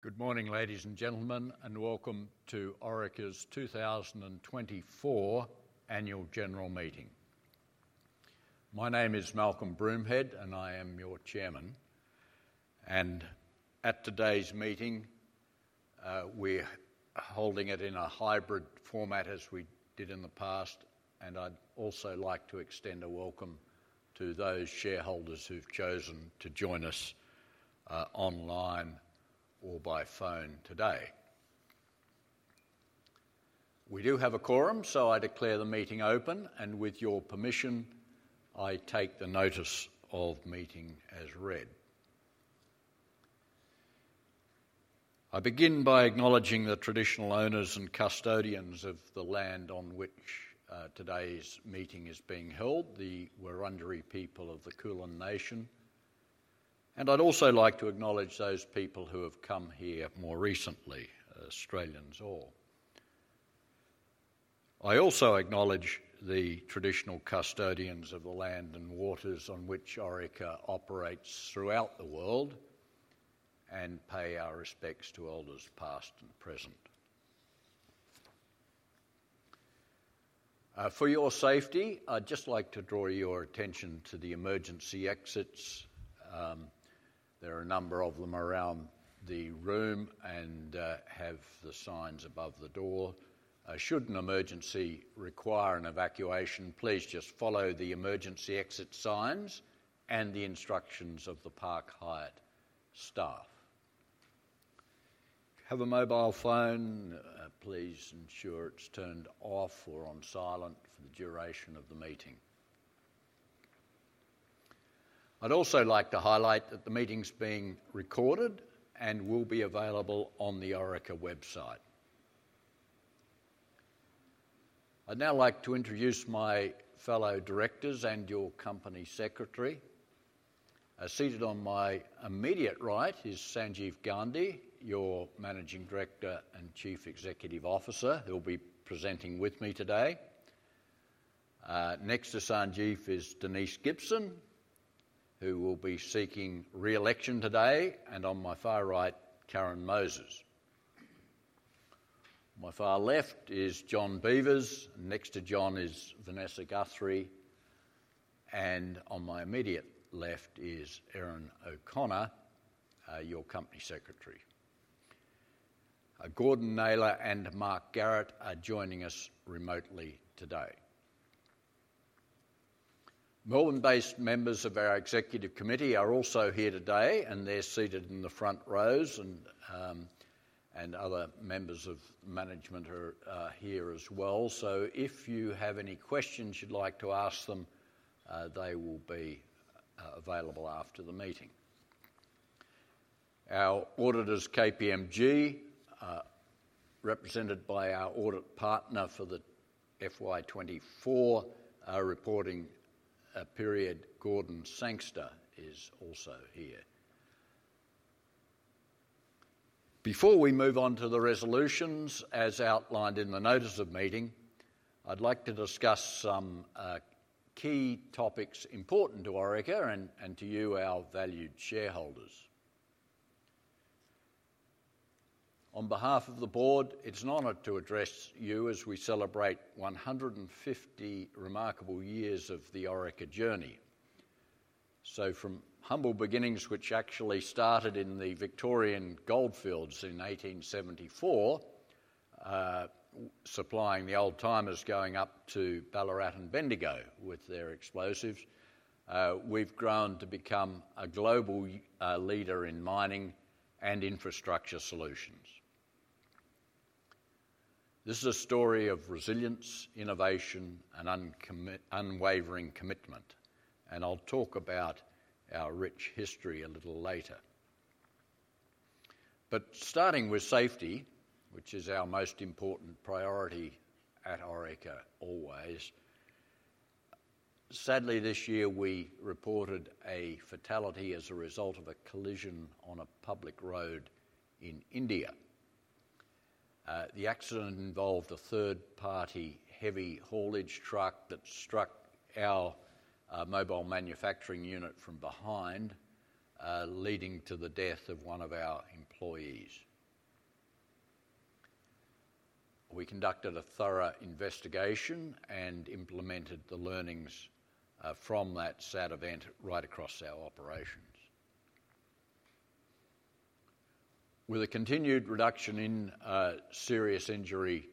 Good morning, ladies and gentlemen, and welcome to Orica's 2024 Annual General Meeting. My name is Malcolm Broomhead, and I am your chairman. At today's meeting, we're holding it in a hybrid format as we did in the past, and I'd also like to extend a welcome to those shareholders who've chosen to join us online or by phone today. We do have a quorum, so I declare the meeting open, and with your permission, I take the notice of meeting as read. I begin by acknowledging the traditional owners and custodians of the land on which today's meeting is being held, the Wurundjeri people of the Kulin Nation, and I'd also like to acknowledge those people who have come here more recently, Australians all. I also acknowledge the traditional custodians of the land and waters on which Orica operates throughout the world, and pay our respects to elders past and present. For your safety, I'd just like to draw your attention to the emergency exits. There are a number of them around the room and have the signs above the door. Should an emergency require an evacuation, please just follow the emergency exit signs and the instructions of the Park Hyatt staff. Have a mobile phone, and please ensure it's turned off or on silent for the duration of the meeting. I'd also like to highlight that the meeting's being recorded and will be available on the Orica website. I'd now like to introduce my fellow directors and your company secretary. Seated on my immediate right is Sanjeev Gandhi, your Managing Director and Chief Executive Officer, who'll be presenting with me today. Next to Sanjeev is Denise Gibson, who will be seeking re-election today, and on my far right, Karen Moses. My far left is John Beevers. Next to John is Vanessa Guthrie, and on my immediate left is Erin O'Connor, your company secretary. Gordon Naylor and Mark Garrett are joining us remotely today. Melbourne-based members of our Executive Committee are also here today, and they're seated in the front rows, and other members of management are here as well. So if you have any questions you'd like to ask them, they will be available after the meeting. Our auditors, KPMG, represented by our audit partner for the FY24 reporting period, Gordon Sangster, is also here. Before we move on to the resolutions, as outlined in the notice of meeting, I'd like to discuss some key topics important to Orica and to you, our valued shareholders. On behalf of the board, it's an honor to address you as we celebrate 150 remarkable years of the Orica journey. So from humble beginnings, which actually started in the Victorian goldfields in 1874, supplying the old-timers going up to Ballarat and Bendigo with their explosives, we've grown to become a global leader in mining and infrastructure solutions. This is a story of resilience, innovation, and unwavering commitment, and I'll talk about our rich history a little later. But starting with safety, which is our most important priority at Orica always, sadly this year we reported a fatality as a result of a collision on a public road in India. The accident involved a third-party heavy haulage truck that struck our mobile manufacturing unit from behind, leading to the death of one of our employees. We conducted a thorough investigation and implemented the learnings from that sad event right across our operations. With a continued reduction in serious injury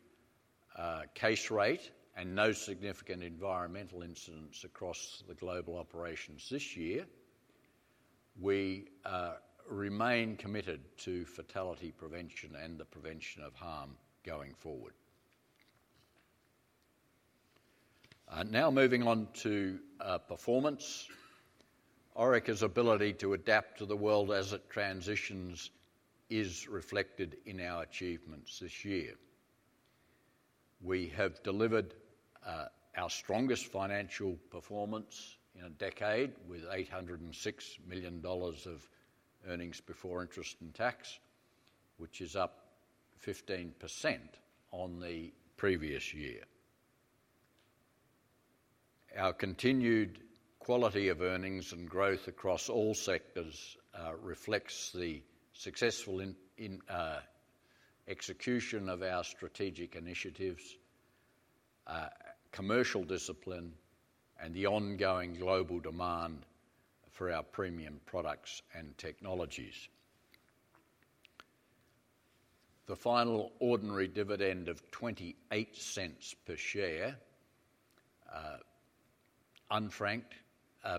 case rate and no significant environmental incidents across the global operations this year, we remain committed to fatality prevention and the prevention of harm going forward. Now moving on to performance, Orica's ability to adapt to the world as it transitions is reflected in our achievements this year. We have delivered our strongest financial performance in a decade with 806 million dollars of earnings before interest and tax, which is up 15% on the previous year. Our continued quality of earnings and growth across all sectors reflects the successful execution of our strategic initiatives, commercial discipline, and the ongoing global demand for our premium products and technologies. The final ordinary dividend of 0.28 per share, unfranked,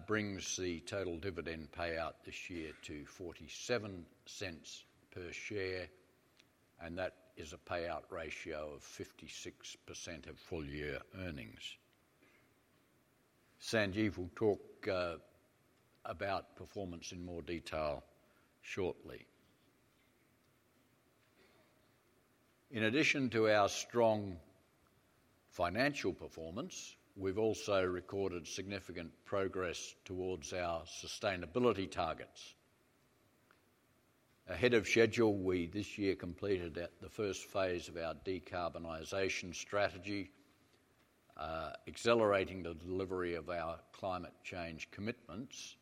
brings the total dividend payout this year to 0.47 per share, and that is a payout ratio of 56% of full-year earnings. Sanjeev will talk about performance in more detail shortly. In addition to our strong financial performance, we've also recorded significant progress towards our sustainability targets. Ahead of schedule, we this year completed the first phase of our decarbonization strategy, accelerating the delivery of our climate change commitments,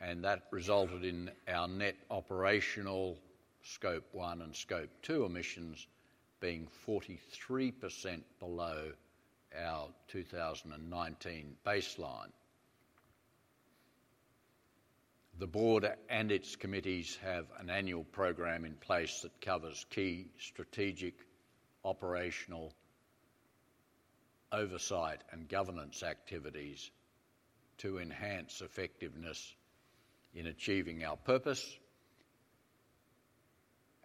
and that resulted in our net operational Scope 1 and Scope 2 emissions being 43% below our 2019 baseline. The board and its committees have an annual program in place that covers key strategic operational oversight and governance activities to enhance effectiveness in achieving our purpose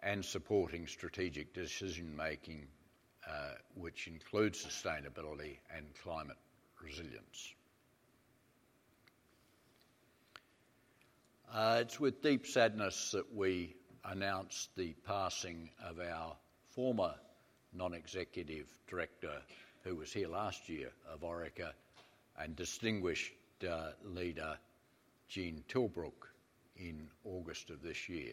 and supporting strategic decision-making, which includes sustainability and climate resilience. It's with deep sadness that we announce the passing of our former Non-Executive Director, who was here last year, of Orica, and distinguished leader Gene Tilbrook in August of this year.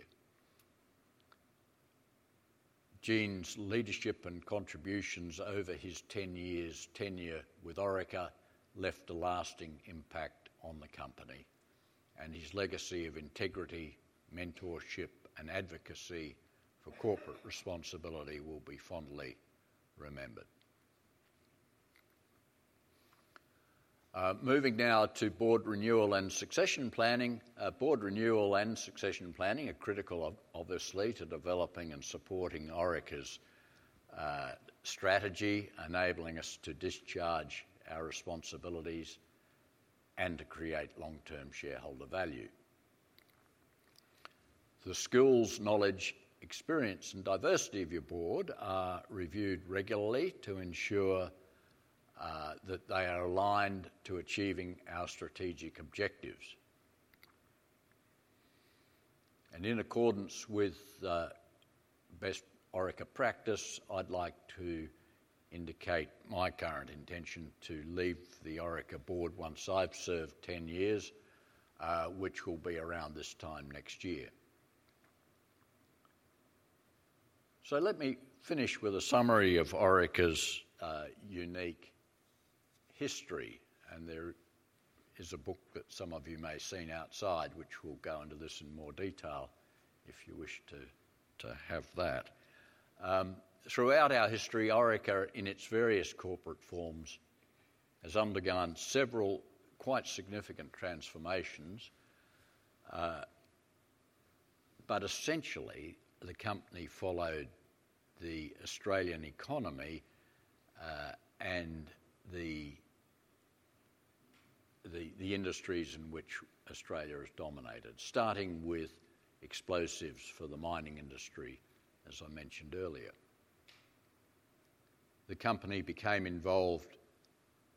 Gene's leadership and contributions over his 10-year tenure with Orica left a lasting impact on the company, and his legacy of integrity, mentorship, and advocacy for corporate responsibility will be fondly remembered. Moving now to board renewal and succession planning. Board renewal and succession planning are critical, obviously, to developing and supporting Orica's strategy, enabling us to discharge our responsibilities and to create long-term shareholder value. The skills, knowledge, experience, and diversity of your board are reviewed regularly to ensure that they are aligned to achieving our strategic objectives. In accordance with best Orica practice, I'd like to indicate my current intention to leave the Orica board once I've served 10 years, which will be around this time next year. Let me finish with a summary of Orica's unique history, and there is a book that some of you may have seen outside, which we'll go into this in more detail if you wish to have that. Throughout our history, Orica, in its various corporate forms, has undergone several quite significant transformations, but essentially the company followed the Australian economy and the industries in which Australia is dominated, starting with explosives for the mining industry, as I mentioned earlier. The company became involved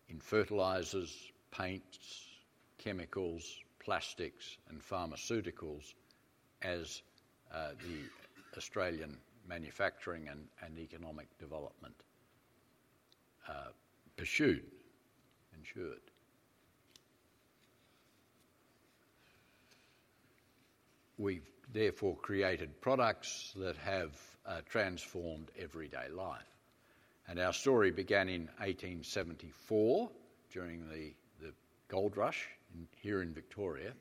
in fertilizers, paints, chemicals, plastics, and pharmaceuticals as the Australian manufacturing and economic development ensued. We've therefore created products that have transformed everyday life. And our story began in 1874 during the Gold Rush here in Victoria,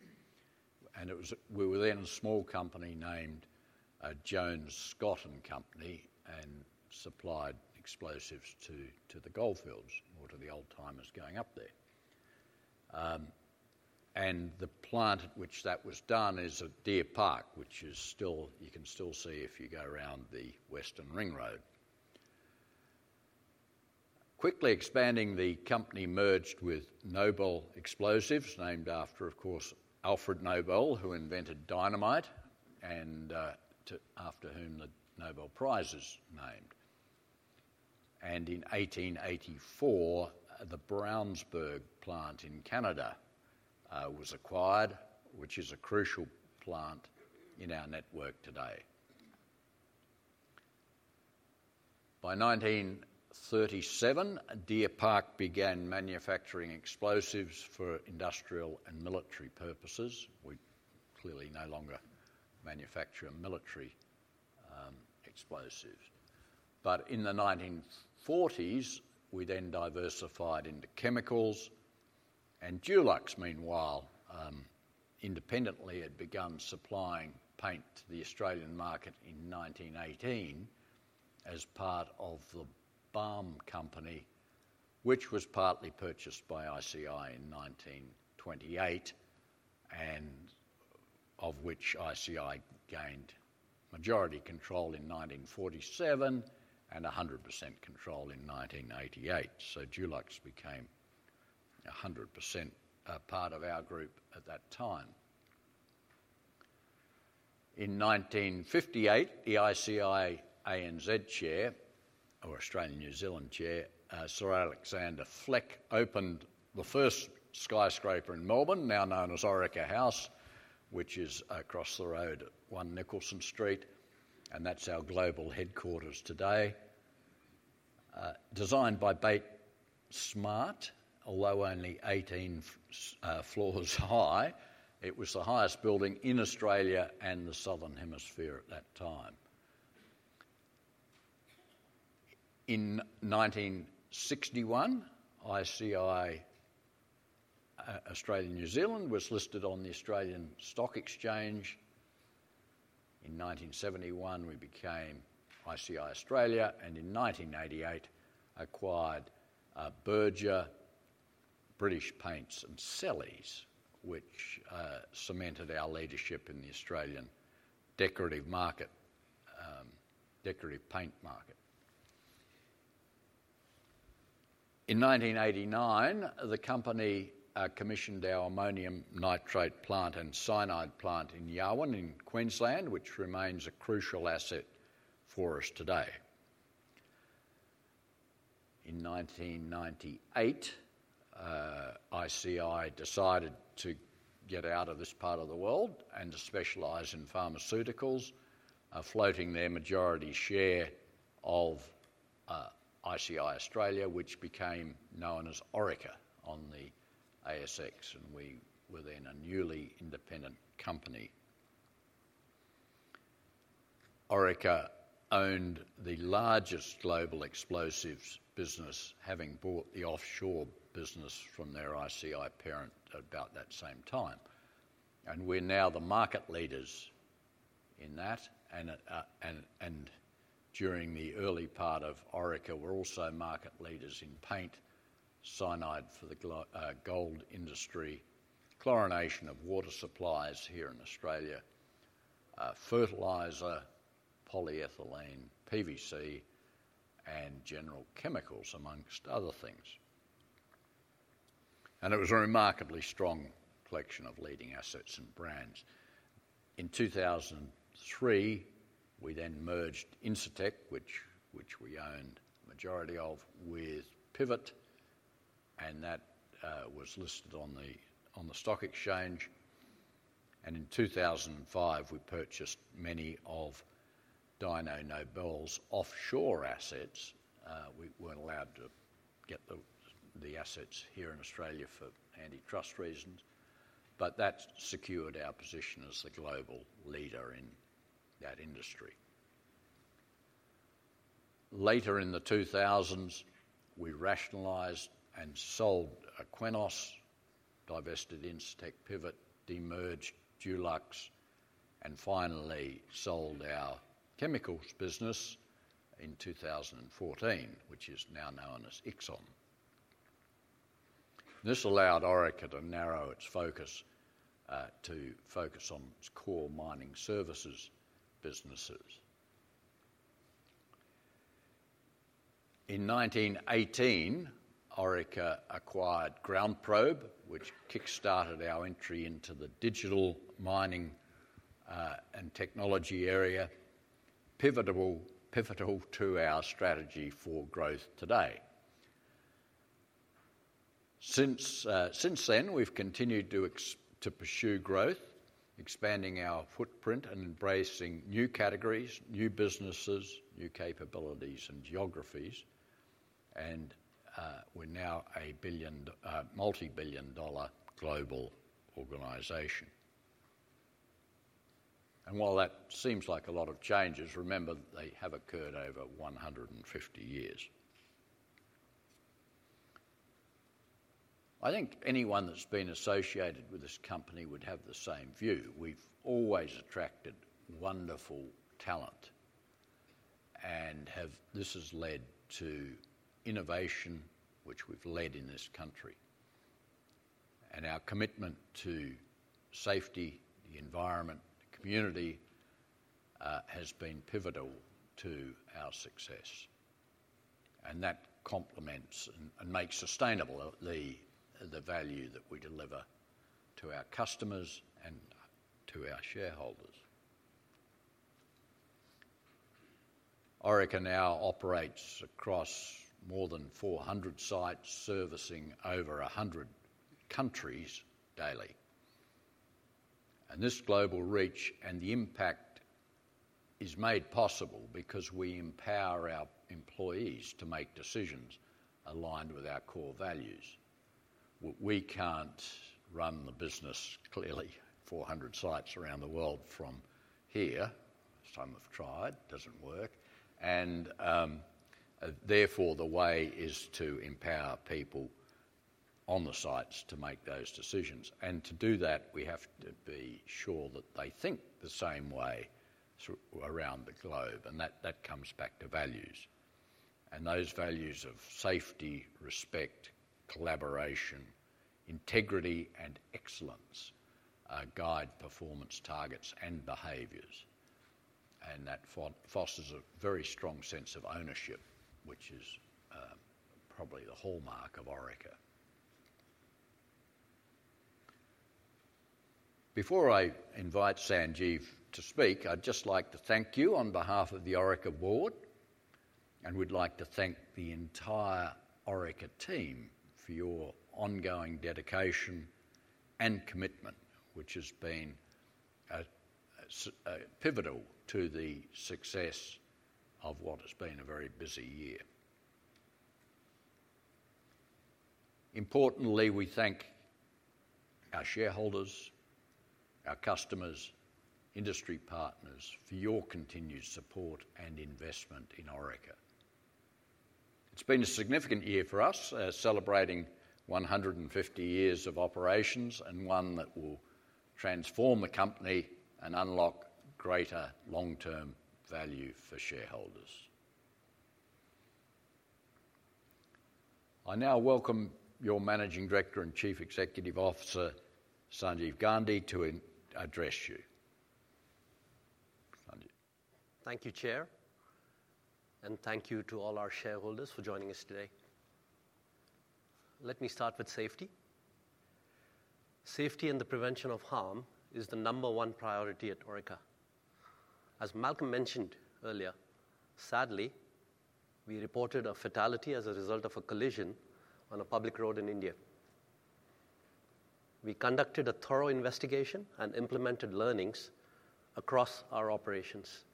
and we were then a small company named Jones, Scott & Co. and supplied explosives to the goldfields, more to the old-timers going up there. And the plant at which that was done is at Deer Park, which you can still see if you go around the Western Ring Road. Quickly expanding, the company merged with Nobel Explosives, named after, of course, Alfred Nobel, who invented dynamite and after whom the Nobel Prize is named. And in 1884, the Brownsburg plant in Canada was acquired, which is a crucial plant in our network today. By 1937, Deer Park began manufacturing explosives for industrial and military purposes. We clearly no longer manufacture military explosives. In the 1940s, we then diversified into chemicals, and Dulux, meanwhile, independently had begun supplying paint to the Australian market in 1918 as part of the BALM Company, which was partly purchased by ICI in 1928, and of which ICI gained majority control in 1947 and 100% control in 1988. Dulux became 100% part of our group at that time. In 1958, the ICI ANZ chair, or Australian New Zealand chair, Sir Alexander Fleck, opened the first skyscraper in Melbourne, now known as Orica House, which is across the road at 1 Nicholson Street, and that's our global headquarters today. Designed by Bates Smart, although only 18 floors high, it was the highest building in Australia and the southern hemisphere at that time. In 1961, ICI Australia New Zealand was listed on the Australian Stock Exchange. In 1971, we became ICI Australia, and in 1988, acquired Berger, British Paints, and Selleys, which cemented our leadership in the Australian decorative paint market. In 1989, the company commissioned our ammonium nitrate plant and cyanide plant in Yarwun, in Queensland, which remains a crucial asset for us today. In 1998, ICI decided to get out of this part of the world and to specialize in pharmaceuticals, floating their majority share of ICI Australia, which became known as Orica on the ASX, and we were then a newly independent company. Orica owned the largest global explosives business, having bought the offshore business from their ICI parent at about that same time. We're now the market leaders in that, and during the early part of Orica, we're also market leaders in paint, cyanide for the gold industry, chlorination of water supplies here in Australia, fertilizer, polyethylene, PVC, and general chemicals, among other things. It was a remarkably strong collection of leading assets and brands. In 2003, we then merged Incitec, which we owned the majority of, with Pivot, and that was listed on the stock exchange. In 2005, we purchased many of Dyno Nobel's offshore assets. We weren't allowed to get the assets here in Australia for antitrust reasons, but that secured our position as the global leader in that industry. Later in the 2000s, we rationalized and sold Qenos, divested Incitec Pivot, demerged Dulux, and finally sold our chemicals business in 2014, which is now known as Ixom. This allowed Orica to narrow its focus on its core mining services businesses. In 1918, Orica acquired GroundProbe, which kick-started our entry into the digital mining and technology area, pivotal to our strategy for growth today. Since then, we've continued to pursue growth, expanding our footprint and embracing new categories, new businesses, new capabilities, and geographies, and we're now a multi-billion-dollar global organization. While that seems like a lot of changes, remember they have occurred over 150 years. I think anyone that's been associated with this company would have the same view. We've always attracted wonderful talent, and this has led to innovation, which we've led in this country. Our commitment to safety, the environment, the community has been pivotal to our success. That complements and makes sustainable the value that we deliver to our customers and to our shareholders. Orica now operates across more than 400 sites, servicing over 100 countries daily. And this global reach and the impact is made possible because we empower our employees to make decisions aligned with our core values. We can't run the business, clearly, 400 sites around the world from here. Some have tried. It doesn't work. And therefore, the way is to empower people on the sites to make those decisions. And to do that, we have to be sure that they think the same way around the globe. And that comes back to values. And those values of safety, respect, collaboration, integrity, and excellence guide performance targets and behaviors. And that fosters a very strong sense of ownership, which is probably the hallmark of Orica. Before I invite Sanjeev to speak, I'd just like to thank you on behalf of the Orica board, and we'd like to thank the entire Orica team for your ongoing dedication and commitment, which has been pivotal to the success of what has been a very busy year. Importantly, we thank our shareholders, our customers, industry partners for your continued support and investment in Orica. It's been a significant year for us, celebrating 150 years of operations and one that will transform the company and unlock greater long-term value for shareholders. I now welcome your Managing Director and Chief Executive Officer, Sanjeev Gandhi, to address you. Thank you, Chair, and thank you to all our shareholders for joining us today. Let me start with safety. Safety and the prevention of harm is the number one priority at Orica. As Malcolm mentioned earlier, sadly, we reported a fatality as a result of a collision on a public road in India. We conducted a thorough investigation and implemented learnings across our operations,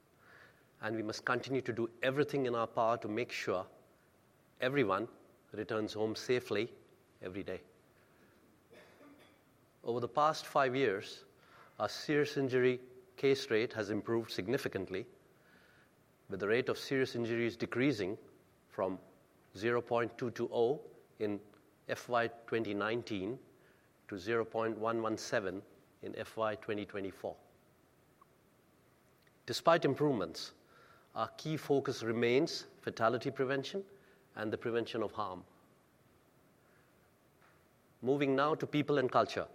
and we must continue to do everything in our power to make sure everyone returns home safely every day. Over the past five years, our serious injury case rate has improved significantly, with the rate of serious injuries decreasing from 0.220 in FY 2019 to 0.117 in FY 2024. Despite improvements, our key focus remains fatality prevention and the prevention of harm. Moving now to people and culture.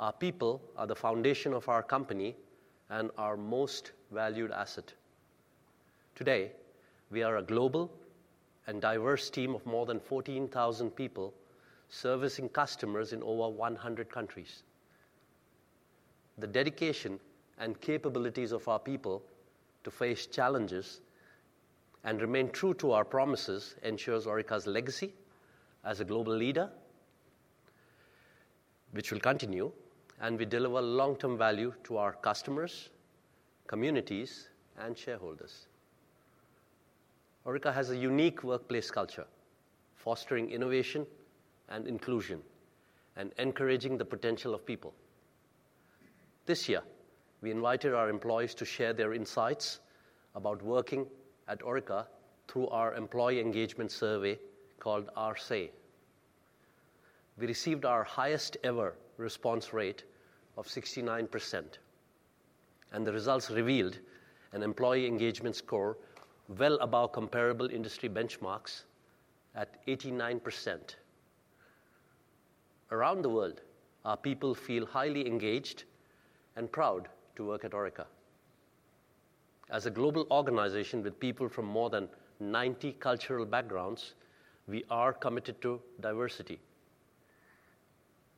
Our people are the foundation of our company and our most valued asset. Today, we are a global and diverse team of more than 14,000 people servicing customers in over 100 countries. The dedication and capabilities of our people to face challenges and remain true to our promises ensures Orica's legacy as a global leader, which will continue, and we deliver long-term value to our customers, communities, and shareholders. Orica has a unique workplace culture, fostering innovation and inclusion, and encouraging the potential of people. This year, we invited our employees to share their insights about working at Orica through our employee engagement survey called Our Say. We received our highest-ever response rate of 69%. And the results revealed an employee engagement score well above comparable industry benchmarks at 89%. Around the world, our people feel highly engaged and proud to work at Orica. As a global organization with people from more than 90 cultural backgrounds, we are committed to diversity.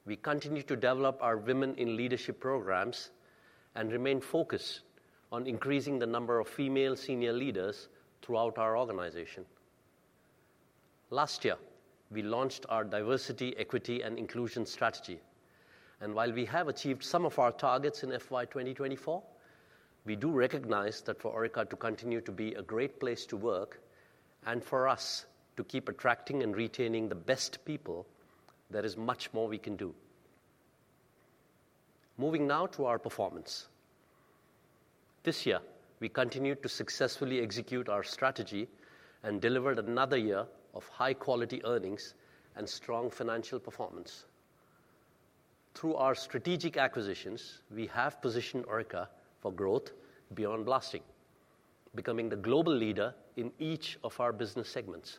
We continue to develop our women-in-leadership programs and remain focused on increasing the number of female senior leaders throughout our organization. Last year, we launched our diversity, equity, and inclusion strategy. While we have achieved some of our targets in FY 2024, we do recognize that for Orica to continue to be a great place to work and for us to keep attracting and retaining the best people, there is much more we can do. Moving now to our performance. This year, we continued to successfully execute our strategy and delivered another year of high-quality earnings and strong financial performance. Through our strategic acquisitions, we have positioned Orica for growth beyond blasting, becoming the global leader in each of our business segments.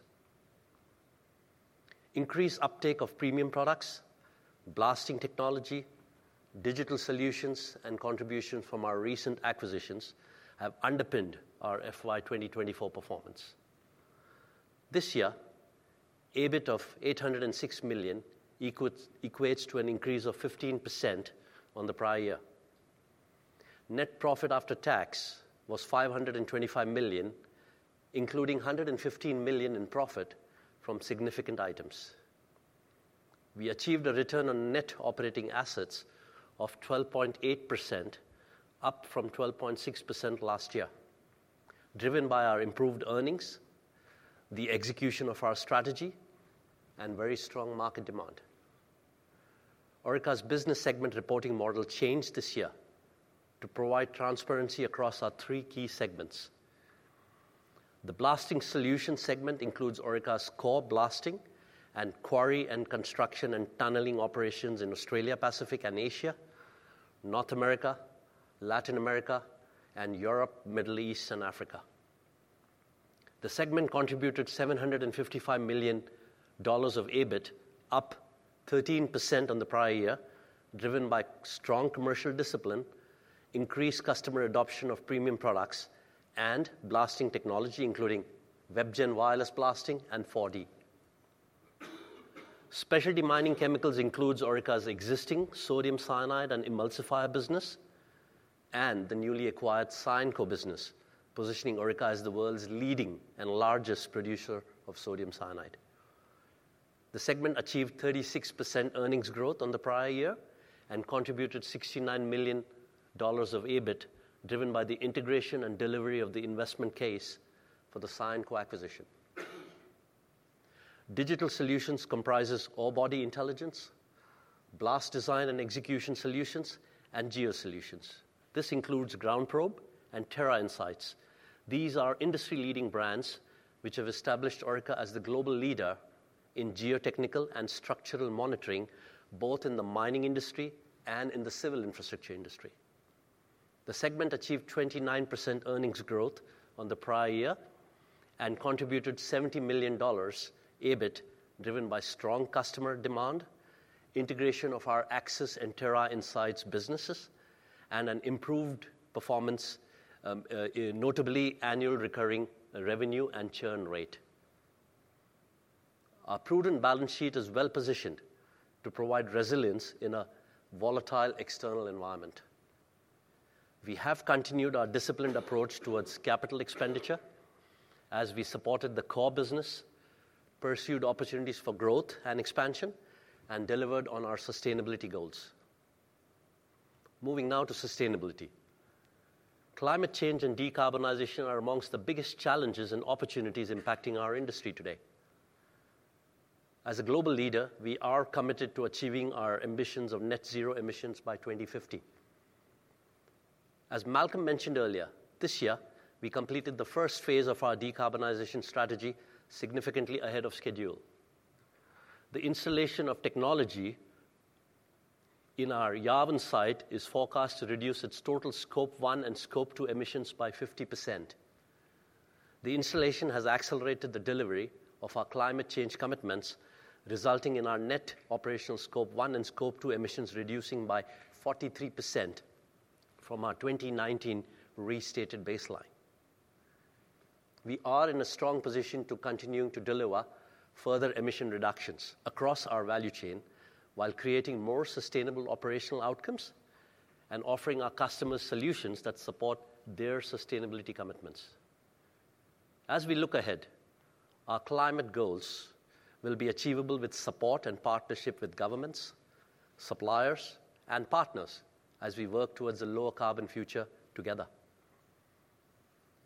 Increased uptake of premium products, blasting technology, digital solutions, and contributions from our recent acquisitions have underpinned our FY 2024 performance. This year, EBIT of 806 million equates to an increase of 15% on the prior year. Net profit after tax was 525 million, including 115 million in profit from significant items. We achieved a return on net operating assets of 12.8%, up from 12.6% last year, driven by our improved earnings, the execution of our strategy, and very strong market demand. Orica's business segment reporting model changed this year to provide transparency across our three key segments. The blasting solution segment includes Orica's core blasting and quarry and construction and tunneling operations in Australia, Pacific, and Asia, North America, Latin America, and Europe, Middle East, and Africa. The segment contributed 755 million dollars of EBIT, up 13% on the prior year, driven by strong commercial discipline, increased customer adoption of premium products, and blasting technology, including WebGen wireless blasting and 4D. Specialty mining chemicals includes Orica's existing sodium cyanide and emulsifier business and the newly acquired Cyanco business, positioning Orica as the world's leading and largest producer of sodium cyanide. The segment achieved 36% earnings growth on the prior year and contributed 69 million dollars of EBIT, driven by the integration and delivery of the investment case for the Cyanco acquisition. Digital solutions comprise Orebody Intelligence, blast design and execution solutions, and geo solutions. This includes GroundProbe and Terra Insights. These are industry-leading brands which have established Orica as the global leader in geotechnical and structural monitoring, both in the mining industry and in the civil infrastructure industry. The segment achieved 29% earnings growth on the prior year and contributed 70 million dollars EBIT, driven by strong customer demand, integration of our Axis and Terra Insights businesses, and an improved performance, notably annual recurring revenue and churn rate. Our prudent balance sheet is well-positioned to provide resilience in a volatile external environment. We have continued our disciplined approach towards capital expenditure as we supported the core business, pursued opportunities for growth and expansion, and delivered on our sustainability goals. Moving now to sustainability. Climate change and decarbonization are among the biggest challenges and opportunities impacting our industry today. As a global leader, we are committed to achieving our ambitions of net zero emissions by 2050. As Malcolm mentioned earlier, this year, we completed the first phase of our decarbonization strategy significantly ahead of schedule. The installation of technology in our Yarwun site is forecast to reduce its total Scope 1 and Scope 2 emissions by 50%. The installation has accelerated the delivery of our climate change commitments, resulting in our net operational Scope 1 and Scope 2 emissions reducing by 43% from our 2019 restated baseline. We are in a strong position to continue to deliver further emission reductions across our value chain while creating more sustainable operational outcomes and offering our customers solutions that support their sustainability commitments. As we look ahead, our climate goals will be achievable with support and partnership with governments, suppliers, and partners as we work towards a lower carbon future together.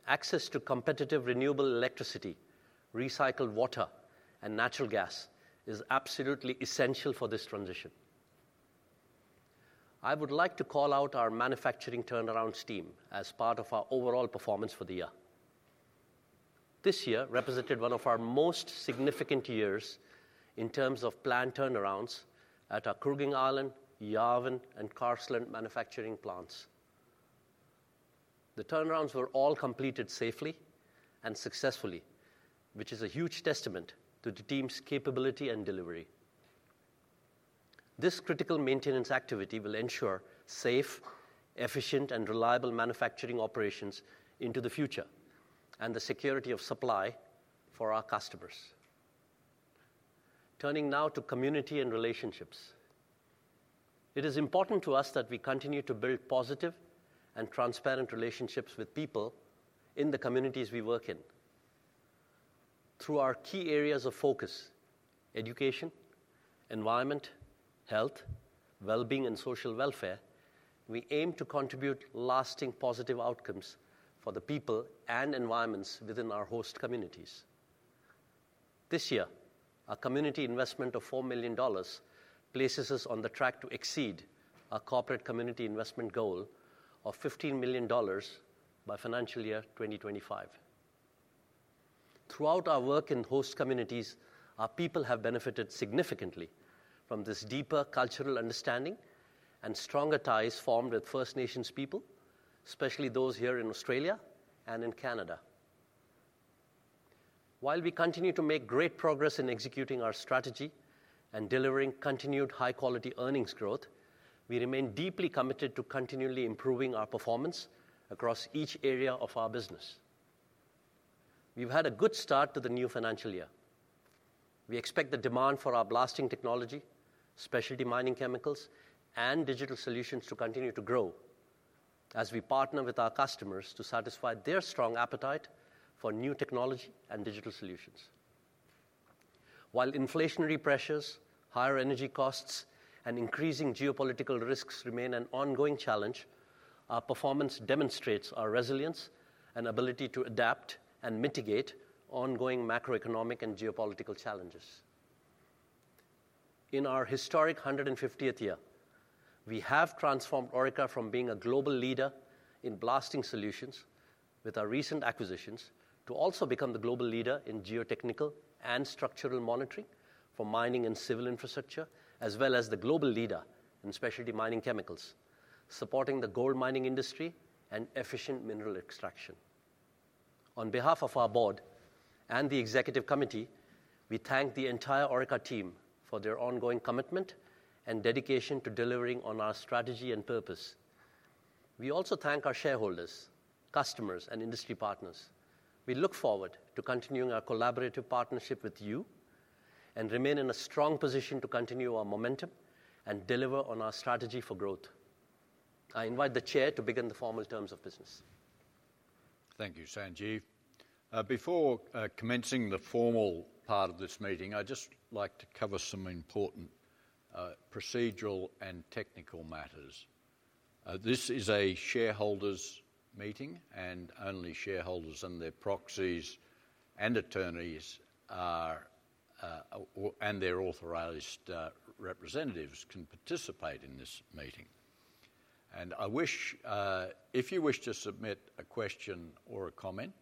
Access to competitive renewable electricity, recycled water, and natural gas is absolutely essential for this transition. I would like to call out our manufacturing turnarounds team as part of our overall performance for the year. This year represented one of our most significant years in terms of planned turnarounds at our Kooragang Island, Yarwun, and Carseland manufacturing plants. The turnarounds were all completed safely and successfully, which is a huge testament to the team's capability and delivery. This critical maintenance activity will ensure safe, efficient, and reliable manufacturing operations into the future and the security of supply for our customers. Turning now to community and relationships. It is important to us that we continue to build positive and transparent relationships with people in the communities we work in. Through our key areas of focus, education, environment, health, well-being, and social welfare, we aim to contribute lasting positive outcomes for the people and environments within our host communities. This year, our community investment of 4 million dollars places us on the track to exceed our corporate community investment goal of 15 million dollars by financial year 2025. Throughout our work in host communities, our people have benefited significantly from this deeper cultural understanding and stronger ties formed with First Nations people, especially those here in Australia and in Canada. While we continue to make great progress in executing our strategy and delivering continued high-quality earnings growth, we remain deeply committed to continually improving our performance across each area of our business. We've had a good start to the new financial year. We expect the demand for our blasting technology, specialty mining chemicals, and digital solutions to continue to grow as we partner with our customers to satisfy their strong appetite for new technology and digital solutions. While inflationary pressures, higher energy costs, and increasing geopolitical risks remain an ongoing challenge, our performance demonstrates our resilience and ability to adapt and mitigate ongoing macroeconomic and geopolitical challenges. In our historic 150th year, we have transformed Orica from being a global leader in blasting solutions with our recent acquisitions to also become the global leader in geotechnical and structural monitoring for mining and civil infrastructure, as well as the global leader in specialty mining chemicals, supporting the gold mining industry and efficient mineral extraction. On behalf of our board and the executive committee, we thank the entire Orica team for their ongoing commitment and dedication to delivering on our strategy and purpose. We also thank our shareholders, customers, and industry partners. We look forward to continuing our collaborative partnership with you and remain in a strong position to continue our momentum and deliver on our strategy for growth. I invite the chair to begin the formal terms of business. Thank you, Sanjeev. Before commencing the formal part of this meeting, I'd just like to cover some important procedural and technical matters. This is a shareholders' meeting, and only shareholders and their proxies and attorneys and their authorized representatives can participate in this meeting, and if you wish to submit a question or a comment,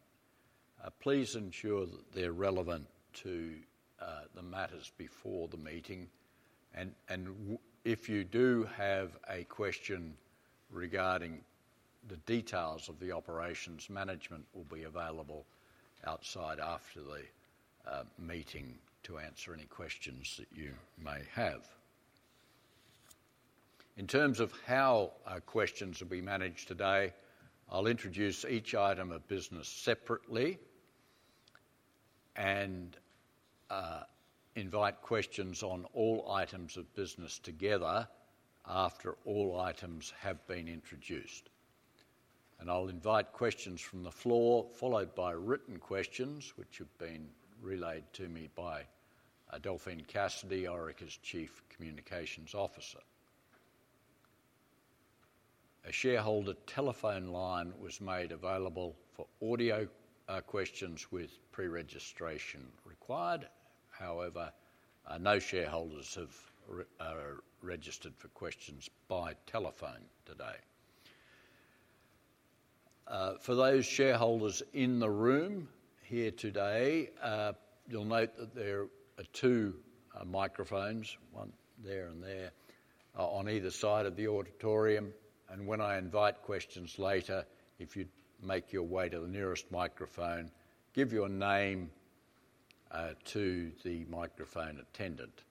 please ensure that they're relevant to the matters before the meeting, and if you do have a question regarding the details of the operations, management will be available outside after the meeting to answer any questions that you may have. In terms of how questions will be managed today, I'll introduce each item of business separately and invite questions on all items of business together after all items have been introduced, and I'll invite questions from the floor, followed by written questions, which have been relayed to me by Delphine Cassidy, Orica's Chief Communications Officer. A shareholder telephone line was made available for audio questions with preregistration required. However, no shareholders have registered for questions by telephone today. For those shareholders in the room here today, you'll note that there are two microphones, one there and there, on either side of the auditorium, and when I invite questions later, if you make your way to the nearest microphone, give your name to the microphone attendant,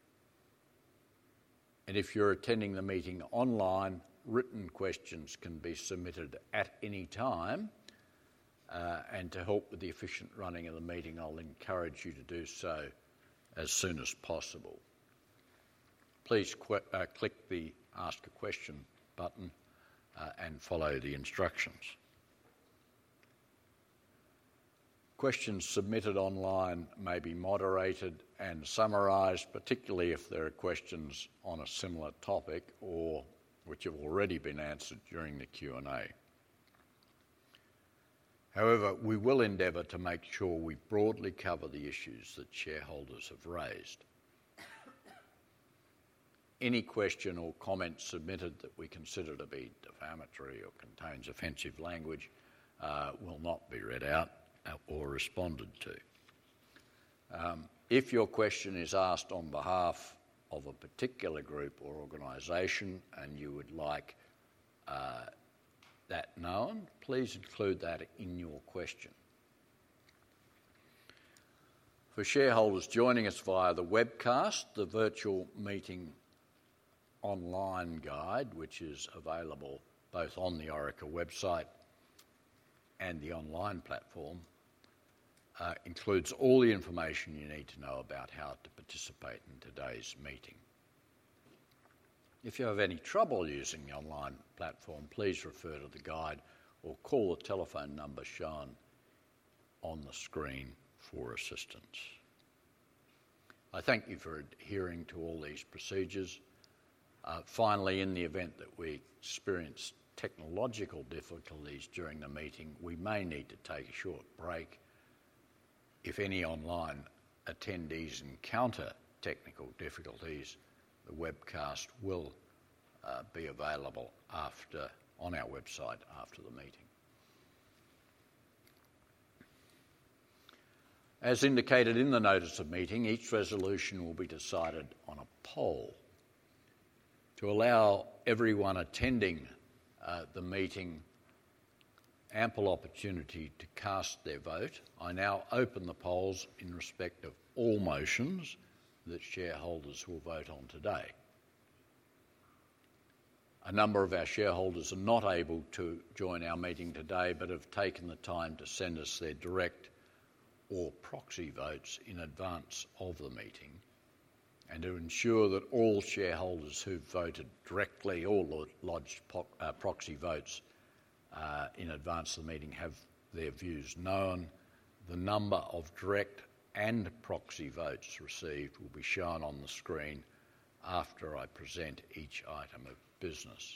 and if you're attending the meeting online, written questions can be submitted at any time, and to help with the efficient running of the meeting, I'll encourage you to do so as soon as possible. Please click the Ask a Question button and follow the instructions. Questions submitted online may be moderated and summarized, particularly if there are questions on a similar topic or which have already been answered during the Q&A. However, we will endeavor to make sure we broadly cover the issues that shareholders have raised. Any question or comment submitted that we consider to be defamatory or contains offensive language will not be read out or responded to. If your question is asked on behalf of a particular group or organization and you would like that known, please include that in your question. For shareholders joining us via the webcast, the virtual meeting online guide, which is available both on the Orica website and the online platform, includes all the information you need to know about how to participate in today's meeting. If you have any trouble using the online platform, please refer to the guide or call the telephone number shown on the screen for assistance. I thank you for adhering to all these procedures. Finally, in the event that we experience technological difficulties during the meeting, we may need to take a short break. If any online attendees encounter technical difficulties, the webcast will be available on our website after the meeting. As indicated in the notice of meeting, each resolution will be decided on a poll. To allow everyone attending the meeting ample opportunity to cast their vote, I now open the polls in respect of all motions that shareholders will vote on today. A number of our shareholders are not able to join our meeting today but have taken the time to send us their direct or proxy votes in advance of the meeting. To ensure that all shareholders who've voted directly or lodged proxy votes in advance of the meeting have their views known, the number of direct and proxy votes received will be shown on the screen after I present each item of business.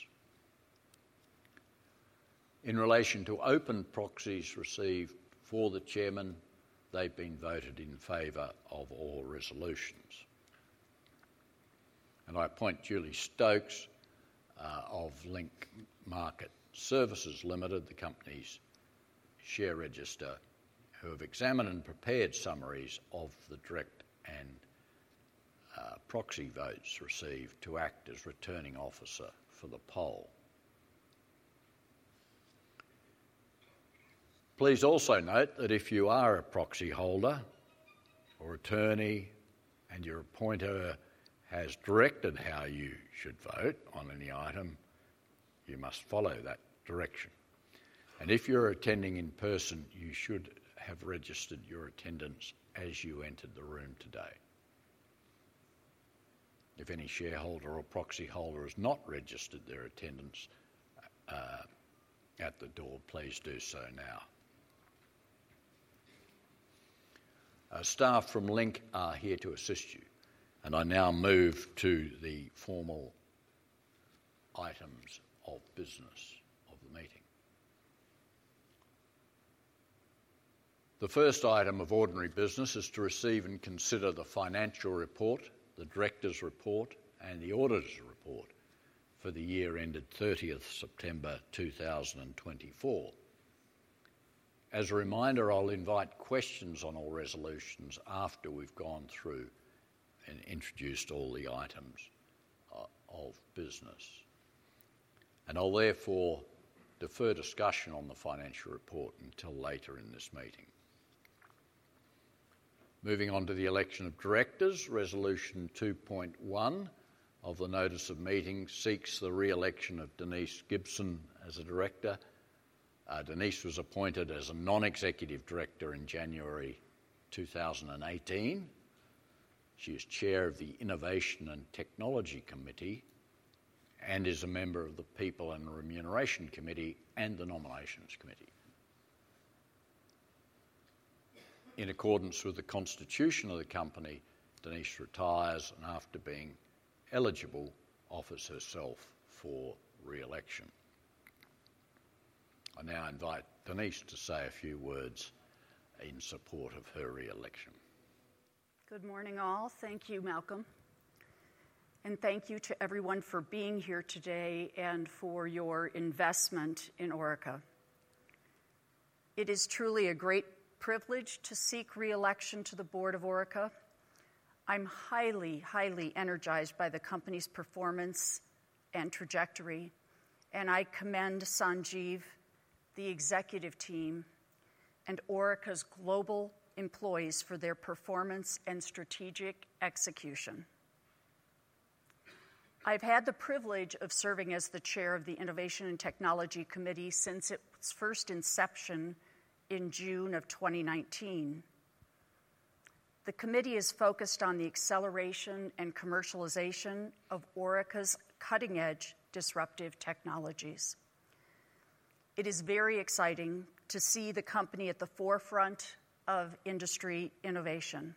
In relation to open proxies received for the chairman, they've been voted in favor of all resolutions. I appoint Julie Stokes of Link Market Services Limited, the company's share registry, who have examined and prepared summaries of the direct and proxy votes received to act as returning officer for the poll. Please also note that if you are a proxy holder or attorney and your appointer has directed how you should vote on any item, you must follow that direction. If you're attending in person, you should have registered your attendance as you entered the room today. If any shareholder or proxy holder has not registered their attendance at the door, please do so now. Staff from Link are here to assist you. I now move to the formal items of business of the meeting. The first item of ordinary business is to receive and consider the financial report, the directors' report, and the auditor's report for the year ended 30th September 2024. As a reminder, I'll invite questions on all resolutions after we've gone through and introduced all the items of business. I'll therefore defer discussion on the financial report until later in this meeting. Moving on to the election of directors, resolution 2.1 of the notice of meeting seeks the re-election of Denise Gibson as a director. Denise was appointed as a non-executive director in January 2018. She is chair of the Innovation and Technology Committee and is a member of the People and Remuneration Committee and the Nominations Committee. In accordance with the constitution of the company, Denise retires and, after being eligible, offers herself for re-election. I now invite Denise to say a few words in support of her re-election. Good morning, all. Thank you, Malcolm. And thank you to everyone for being here today and for your investment in Orica. It is truly a great privilege to seek re-election to the board of Orica. I'm highly, highly energized by the company's performance and trajectory. And I commend Sanjeev, the executive team, and Orica's global employees for their performance and strategic execution. I've had the privilege of serving as the chair of the Innovation and Technology Committee since its first inception in June of 2019. The committee is focused on the acceleration and commercialization of Orica's cutting-edge disruptive technologies. It is very exciting to see the company at the forefront of industry innovation.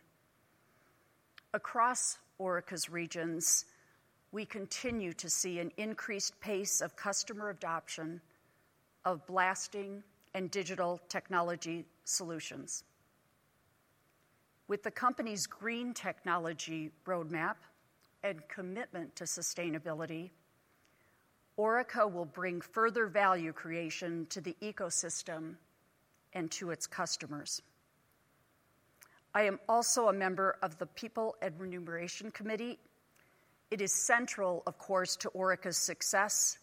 Across Orica's regions, we continue to see an increased pace of customer adoption of blasting and digital technology solutions. With the company's green technology roadmap and commitment to sustainability, Orica will bring further value creation to the ecosystem and to its customers. I am also a member of the People and Remuneration Committee. It is central, of course, to Orica's success.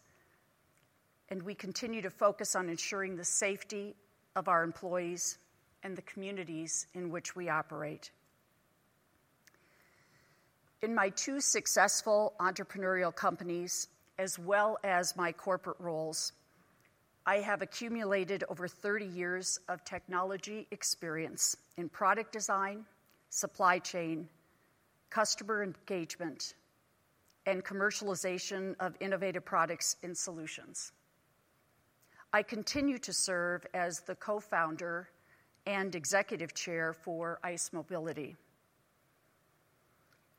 And we continue to focus on ensuring the safety of our employees and the communities in which we operate. In my two successful entrepreneurial companies, as well as my corporate roles, I have accumulated over 30 years of technology experience in product design, supply chain, customer engagement, and commercialization of innovative products and solutions. I continue to serve as the co-founder and executive chair for ICE Mobility.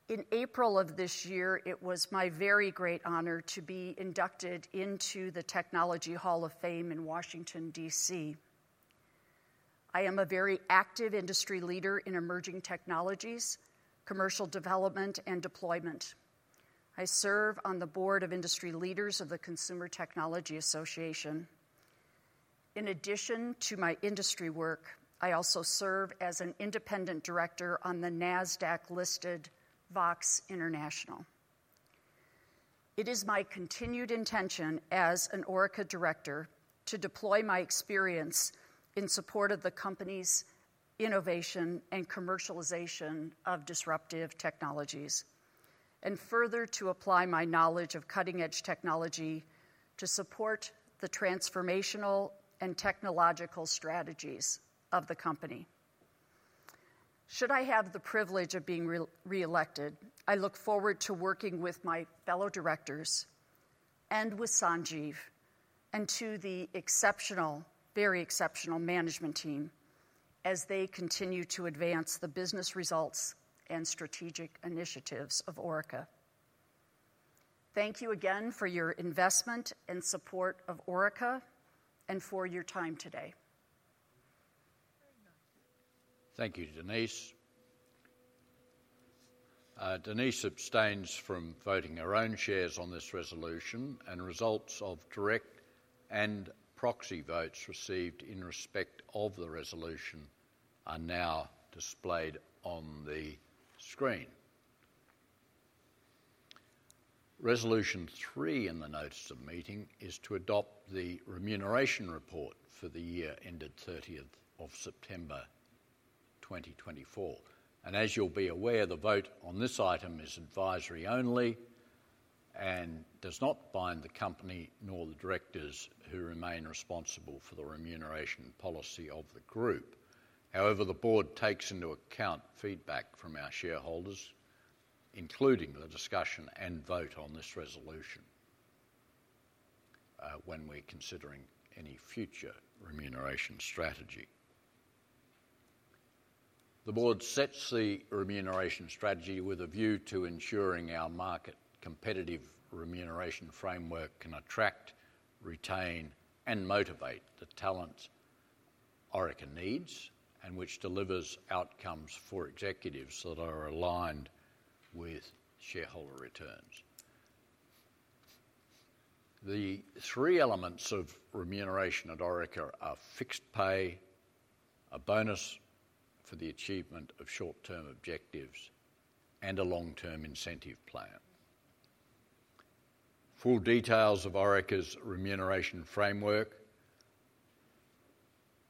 In April of this year, it was my very great honor to be inducted into the Technology Hall of Fame in Washington, D.C. I am a very active industry leader in emerging technologies, commercial development, and deployment. I serve on the board of industry leaders of the Consumer Technology Association. In addition to my industry work, I also serve as an independent director on the Nasdaq-listed VOXX International. It is my continued intention as an Orica director to deploy my experience in support of the company's innovation and commercialization of disruptive technologies and further to apply my knowledge of cutting-edge technology to support the transformational and technological strategies of the company. Should I have the privilege of being re-elected, I look forward to working with my fellow directors and with Sanjeev and to the exceptional, very exceptional management team as they continue to advance the business results and strategic initiatives of Orica. Thank you again for your investment and support of Orica and for your time today. Thank you, Denise. Denise abstains from voting her own shares on this resolution. And results of direct and proxy votes received in respect of the resolution are now displayed on the screen. Resolution three in the notice of meeting is to adopt the Remuneration Report for the year ended 30th of September 2024. And as you'll be aware, the vote on this item is advisory only and does not bind the company nor the directors who remain responsible for the remuneration policy of the group. However, the board takes into account feedback from our shareholders, including the discussion and vote on this resolution when we're considering any future remuneration strategy. The board sets the remuneration strategy with a view to ensuring our market competitive remuneration framework can attract, retain, and motivate the talents Orica needs and which delivers outcomes for executives that are aligned with shareholder returns. The three elements of remuneration at Orica are fixed pay, a bonus for the achievement of short-term objectives, and a long-term incentive plan. Full details of Orica's remuneration framework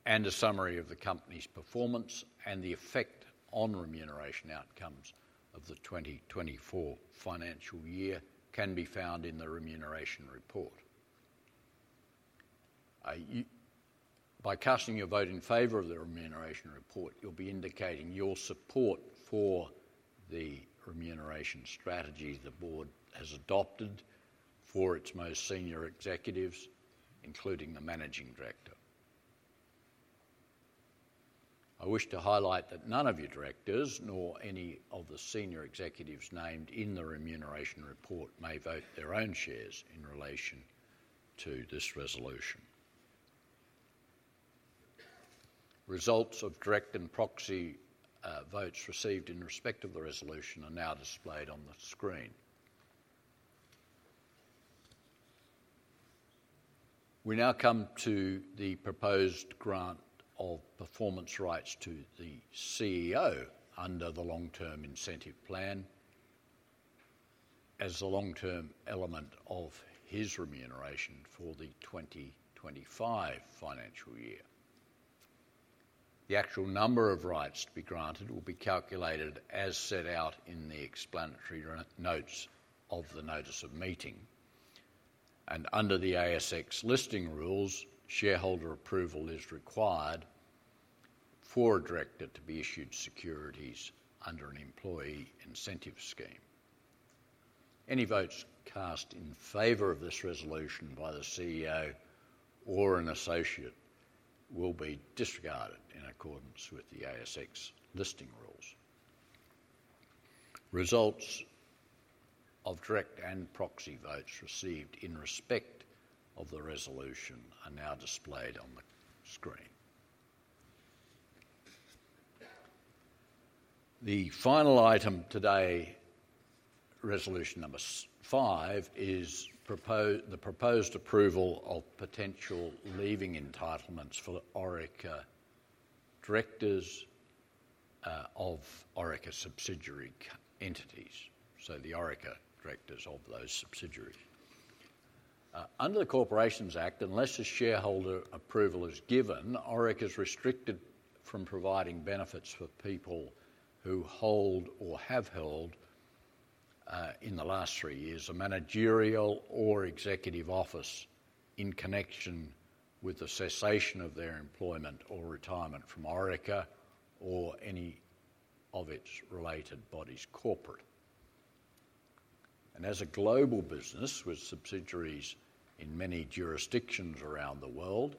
and a summary of the company's performance and the effect on remuneration outcomes of the 2024 financial year can be found in the remuneration report. By casting your vote in favor of the remuneration report, you'll be indicating your support for the remuneration strategy the board has adopted for its most senior executives, including the managing director. I wish to highlight that none of your directors nor any of the senior executives named in the remuneration report may vote their own shares in relation to this resolution. Results of direct and proxy votes received in respect of the resolution are now displayed on the screen. We now come to the proposed grant of performance rights to the CEO under the long-term incentive plan as the long-term element of his remuneration for the 2025 financial year. The actual number of rights to be granted will be calculated as set out in the explanatory notes of the notice of meeting, and under the ASX listing rules, shareholder approval is required for a director to be issued securities under an employee incentive scheme. Any votes cast in favor of this resolution by the CEO or an associate will be disregarded in accordance with the ASX listing rules. Results of direct and proxy votes received in respect of the resolution are now displayed on the screen. The final item today, Resolution Number 5, is the proposed approval of potential leaving entitlements for Orica directors of Orica subsidiary entities. So the Orica directors of those subsidiaries. Under the Corporations Act, unless a shareholder approval is given, Orica is restricted from providing benefits for people who hold or have held in the last three years a managerial or executive office in connection with the cessation of their employment or retirement from Orica or any of its related bodies corporate, and as a global business with subsidiaries in many jurisdictions around the world,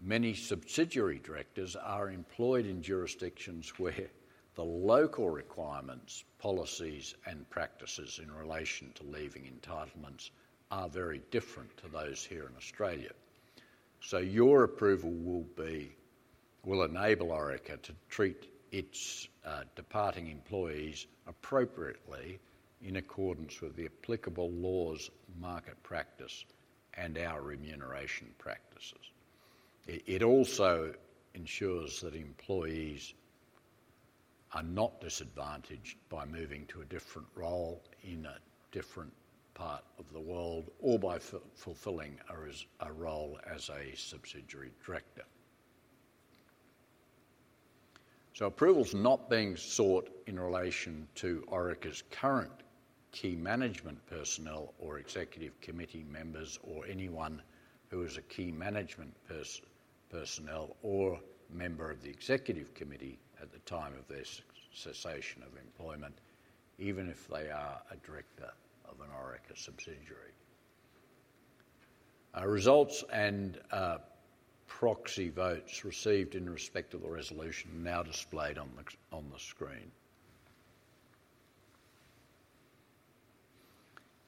many subsidiary directors are employed in jurisdictions where the local requirements, policies, and practices in relation to leaving entitlements are very different to those here in Australia. Your approval will enable Orica to treat its departing employees appropriately in accordance with the applicable laws, market practice, and our remuneration practices. It also ensures that employees are not disadvantaged by moving to a different role in a different part of the world or by fulfilling a role as a subsidiary director. Approval's not being sought in relation to Orica's current key management personnel or executive committee members or anyone who is a key management personnel or member of the executive committee at the time of their cessation of employment, even if they are a director of an Orica subsidiary. Results and proxy votes received in respect of the resolution are now displayed on the screen.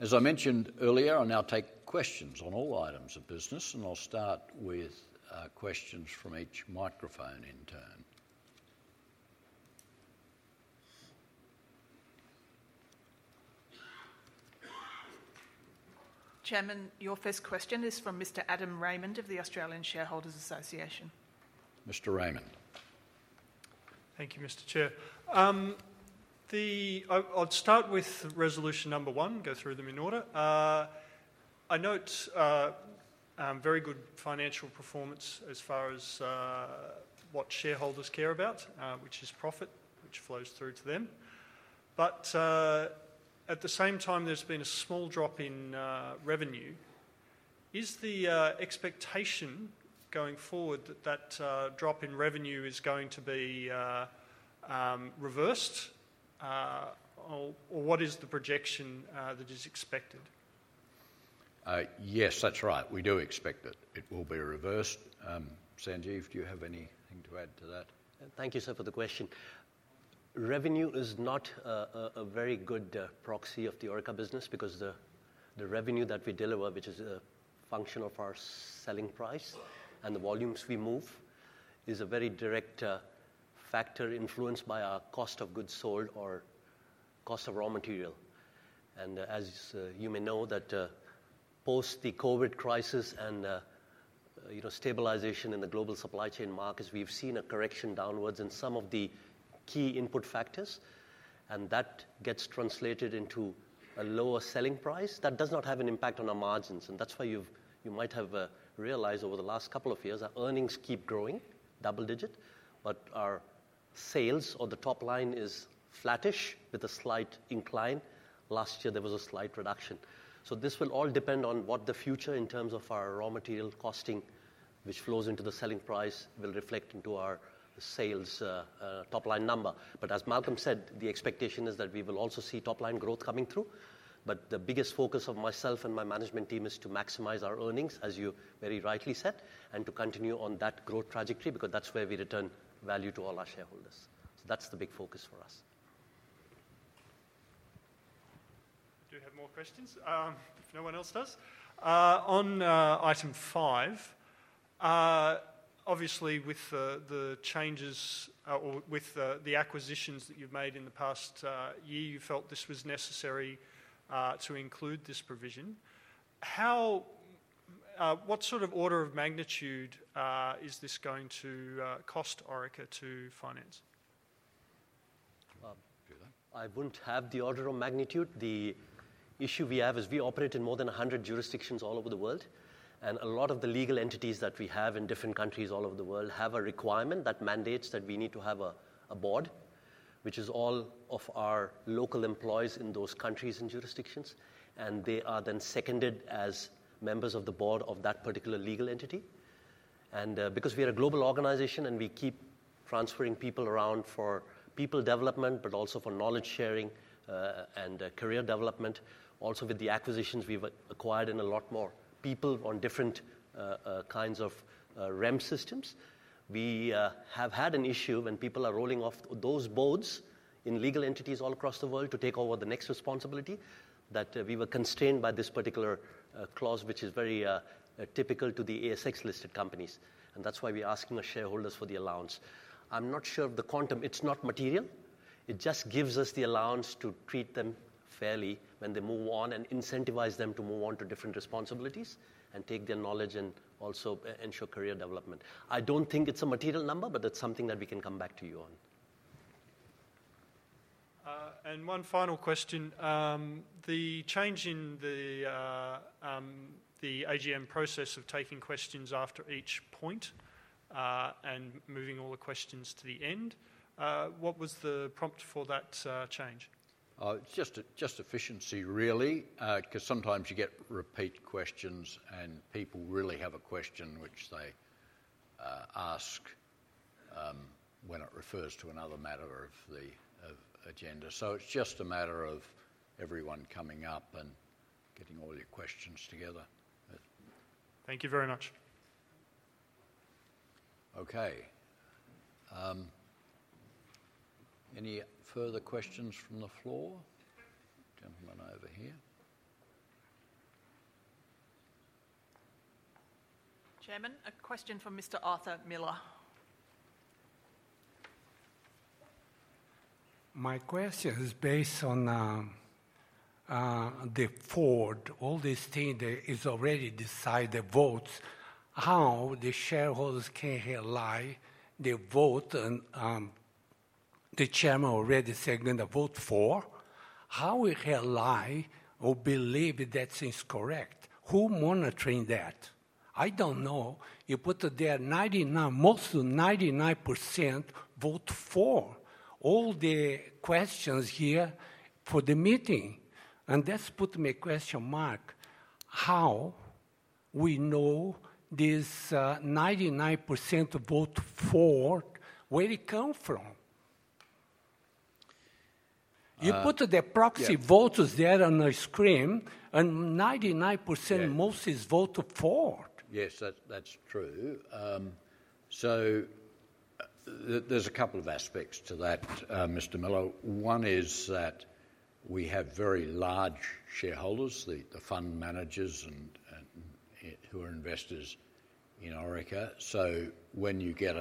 As I mentioned earlier, I'll now take questions on all items of business. I'll start with questions from each microphone in turn. Chairman, your first question is from Mr. Adam Raymond of the Australian Shareholders' Association. Mr. Raymond. Thank you, Mr. Chair. I'll start with Resolution Number one, go through them in order. I note very good financial performance as far as what shareholders care about, which is profit, which flows through to them. But at the same time, there's been a small drop in revenue. Is the expectation going forward that that drop in revenue is going to be reversed? Or what is the projection that is expected? Yes, that's right. We do expect it. It will be reversed. Sanjeev, do you have anything to add to that? Thank you, sir, for the question. Revenue is not a very good proxy of the Orica business because the revenue that we deliver, which is a function of our selling price and the volumes we move, is a very direct factor influenced by our cost of goods sold or cost of raw material. And as you may know, post the COVID crisis and stabilization in the global supply chain markets, we've seen a correction downwards in some of the key input factors. And that gets translated into a lower selling price that does not have an impact on our margins. And that's why you might have realized over the last couple of years our earnings keep growing, double-digit. But our sales or the top line is flattish with a slight incline. Last year, there was a slight reduction. So, this will all depend on what the future in terms of our raw material costing, which flows into the selling price, will reflect into our sales top line number. But as Malcolm said, the expectation is that we will also see top line growth coming through. But the biggest focus of myself and my management team is to maximize our earnings, as you very rightly said, and to continue on that growth trajectory because that's where we return value to all our shareholders. So that's the big focus for us. Do we have more questions? No one else does. On item five, obviously, with the changes or with the acquisitions that you've made in the past year, you felt this was necessary to include this provision. What sort of order of magnitude is this going to cost Orica to finance? I wouldn't have the order of magnitude. The issue we have is we operate in more than 100 jurisdictions all over the world, and a lot of the legal entities that we have in different countries all over the world have a requirement that mandates that we need to have a board, which is all of our local employees in those countries and jurisdictions, and they are then seconded as members of the board of that particular legal entity. Because we are a global organization and we keep transferring people around for people development, but also for knowledge sharing and career development, also with the acquisitions we've acquired and a lot more people on different kinds of REM systems, we have had an issue when people are rolling off those boards in legal entities all across the world to take over the next responsibility that we were constrained by this particular clause, which is very typical to the ASX-listed companies. And that's why we're asking our shareholders for the allowance. I'm not sure of the quantum. It's not material. It just gives us the allowance to treat them fairly when they move on and incentivize them to move on to different responsibilities and take their knowledge and also ensure career development. I don't think it's a material number, but it's something that we can come back to you on. One final question. The change in the AGM process of taking questions after each point and moving all the questions to the end, what was the prompt for that change? Just efficiency, really, because sometimes you get repeat questions and people really have a question, which they ask when it refers to another matter of the agenda. So it's just a matter of everyone coming up and getting all your questions together. Thank you very much. Okay. Any further questions from the floor? Gentlemen over here. Chairman, a question from Mr. Arthur Miller. My question is based on the form. All these things is already decided votes. How the shareholders can rely their vote and the chairman already censor a vote for? How we rely or believe that thing's correct? Who is monitoring that? I don't know. You put there 99%, most of 99% vote for all the questions here for the meeting. And that's putting me a question mark. How we know this 99% vote for, where it come from? You put the proxy voters there on the screen, and 99% most is vote for. Yes, that's true. So there's a couple of aspects to that, Mr. Miller. One is that we have very large shareholders, the fund managers who are investors in Orica. So when you get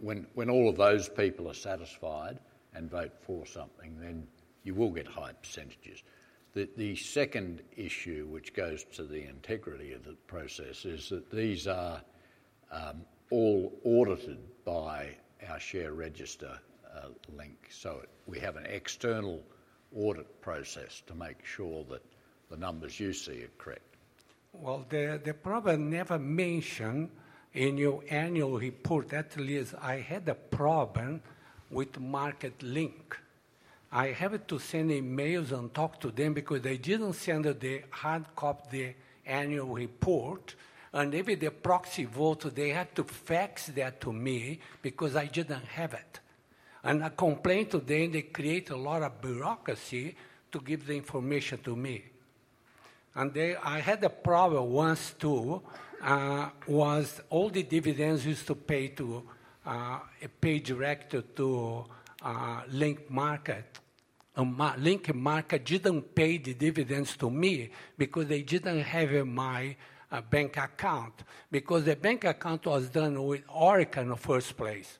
when all of those people are satisfied and vote for something, then you will get high percentages. The second issue, which goes to the integrity of the process, is that these are all audited by our share registry Link. So we have an external audit process to make sure that the numbers you see are correct. The problem never mentioned in your annual report. At least I had a problem with Link Market. I have to send emails and talk to them because they didn't send the hard copy, the annual report. And maybe the proxy voter, they had to fax that to me because I didn't have it. And I complained to them. They create a lot of bureaucracy to give the information to me. And I had a problem once too, was all the dividends used to pay to a pay director to Link Market. Link Market didn't pay the dividends to me because they didn't have my bank account. Because the bank account was done with Orica in the first place.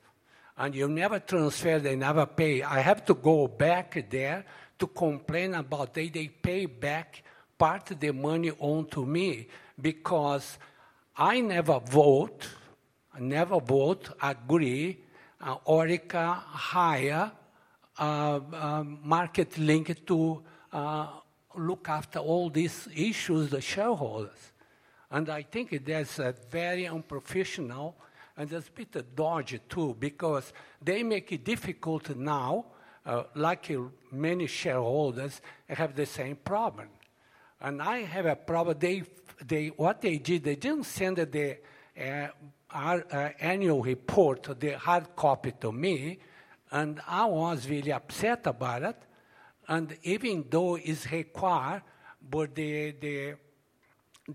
And you never transfer. They never pay. I have to go back there to complain about they pay back part of the money on to me because I never vote. I never vote. I agree. Orica hire Link Market Services to look after all these issues, the shareholders. And I think that's very unprofessional. And that's a bit dodgy too because they make it difficult now, like many shareholders have the same problem. And I have a problem. What they did, they didn't send the annual report, the hard copy to me. And I was really upset about it. And even though it's required by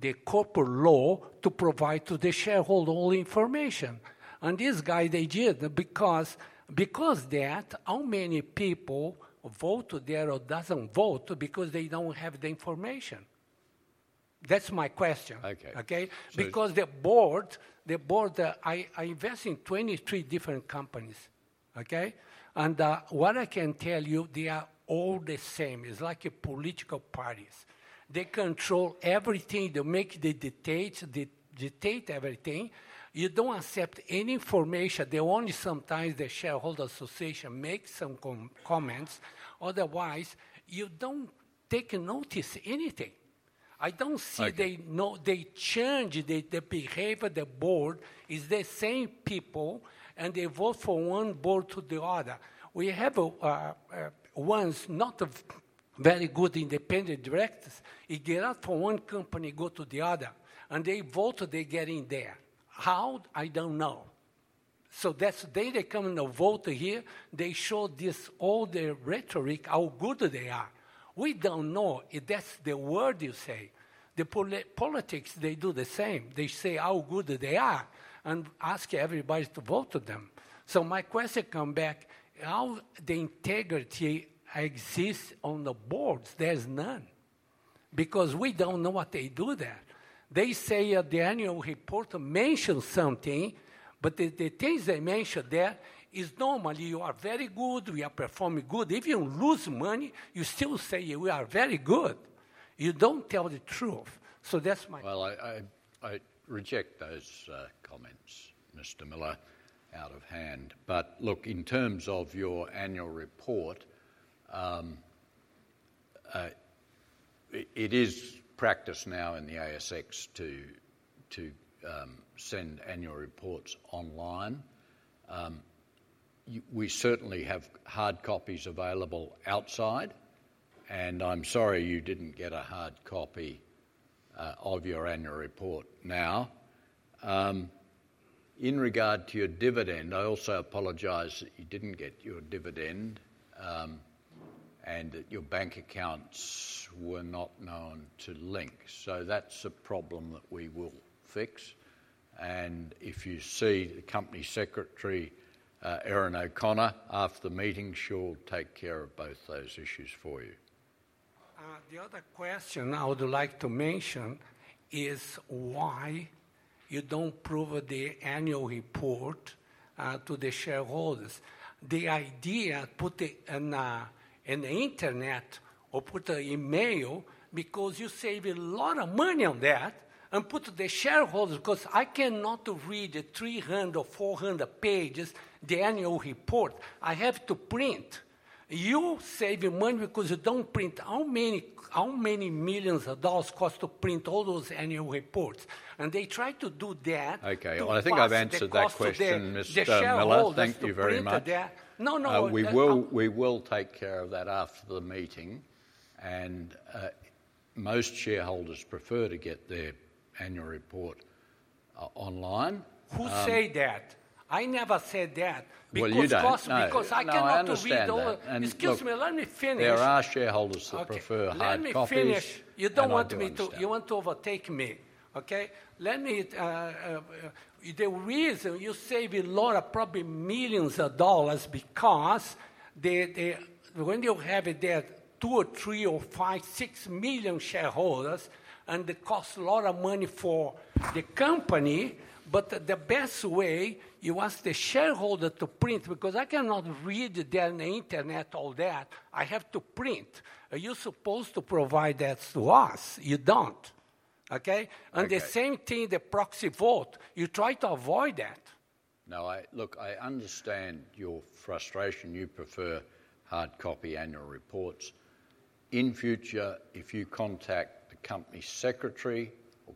the corporate law to provide to the shareholder all information. And these guys, they didn't. Because that, how many people vote there or doesn't vote because they don't have the information? That's my question. Okay. Because the board, I invest in 23 different companies. Okay? And what I can tell you, they are all the same. It's like political parties. They control everything. They make the dictate everything. You don't accept any information. They only sometimes the shareholder association makes some comments. Otherwise, you don't take notice anything. I don't see they changed the behavior of the board. It's the same people. And they vote for one board to the other. We have once not very good independent directors. It get up for one company, go to the other. And they vote they get in there. How? I don't know. So that's they come and vote here. They show this all the rhetoric, how good they are. We don't know. That's the word you say. The politics, they do the same. They say how good they are and ask everybody to vote to them. So my question come back, how the integrity exists on the boards? There's none. Because we don't know what they do there. They say the annual report mentions something, but the things they mention there is normally you are very good. We are performing good. If you lose money, you still say we are very good. You don't tell the truth. So that's my question. Well, I reject those comments, Mr. Miller, out of hand. But look, in terms of your annual report, it is practice now in the ASX to send annual reports online. We certainly have hard copies available outside. And I'm sorry you didn't get a hard copy of your annual report now. In regard to your dividend, I also apologize that you didn't get your dividend and that your bank accounts were not known to Link. So that's a problem that we will fix. And if you see Company Secretary Erin O'Connor after the meeting, she'll take care of both those issues for you. The other question I would like to mention is why you don't provide the annual report to the shareholders. The idea put it in the internet or put an email because you save a lot of money on that and put the shareholders because I cannot read 300 or 400 pages, the annual report. I have to print. You save money because you don't print. How many millions of dollars cost to print all those annual reports? And they try to do that. Okay. Well, I think I've answered that question, Mr. Miller. Thank you very much. No, no. We will take care of that after the meeting. And most shareholders prefer to get their annual report online. Who say that? I never said that. Because I cannot read all. Excuse me. Let me finish. There are shareholders that prefer hard copies. Let me finish. You don't want me to. You want to overtake me. Okay? The reason you save a lot of probably millions of dollars because when you have it there, two or three or five, six million shareholders, and it costs a lot of money for the company. But the best way you ask the shareholder to print because I cannot read that on the internet, all that. I have to print. You're supposed to provide that to us. You don't. Okay? And the same thing, the proxy vote. You try to avoid that. No, look, I understand your frustration. You prefer hard copy annual reports. In future, if you contact the company secretary or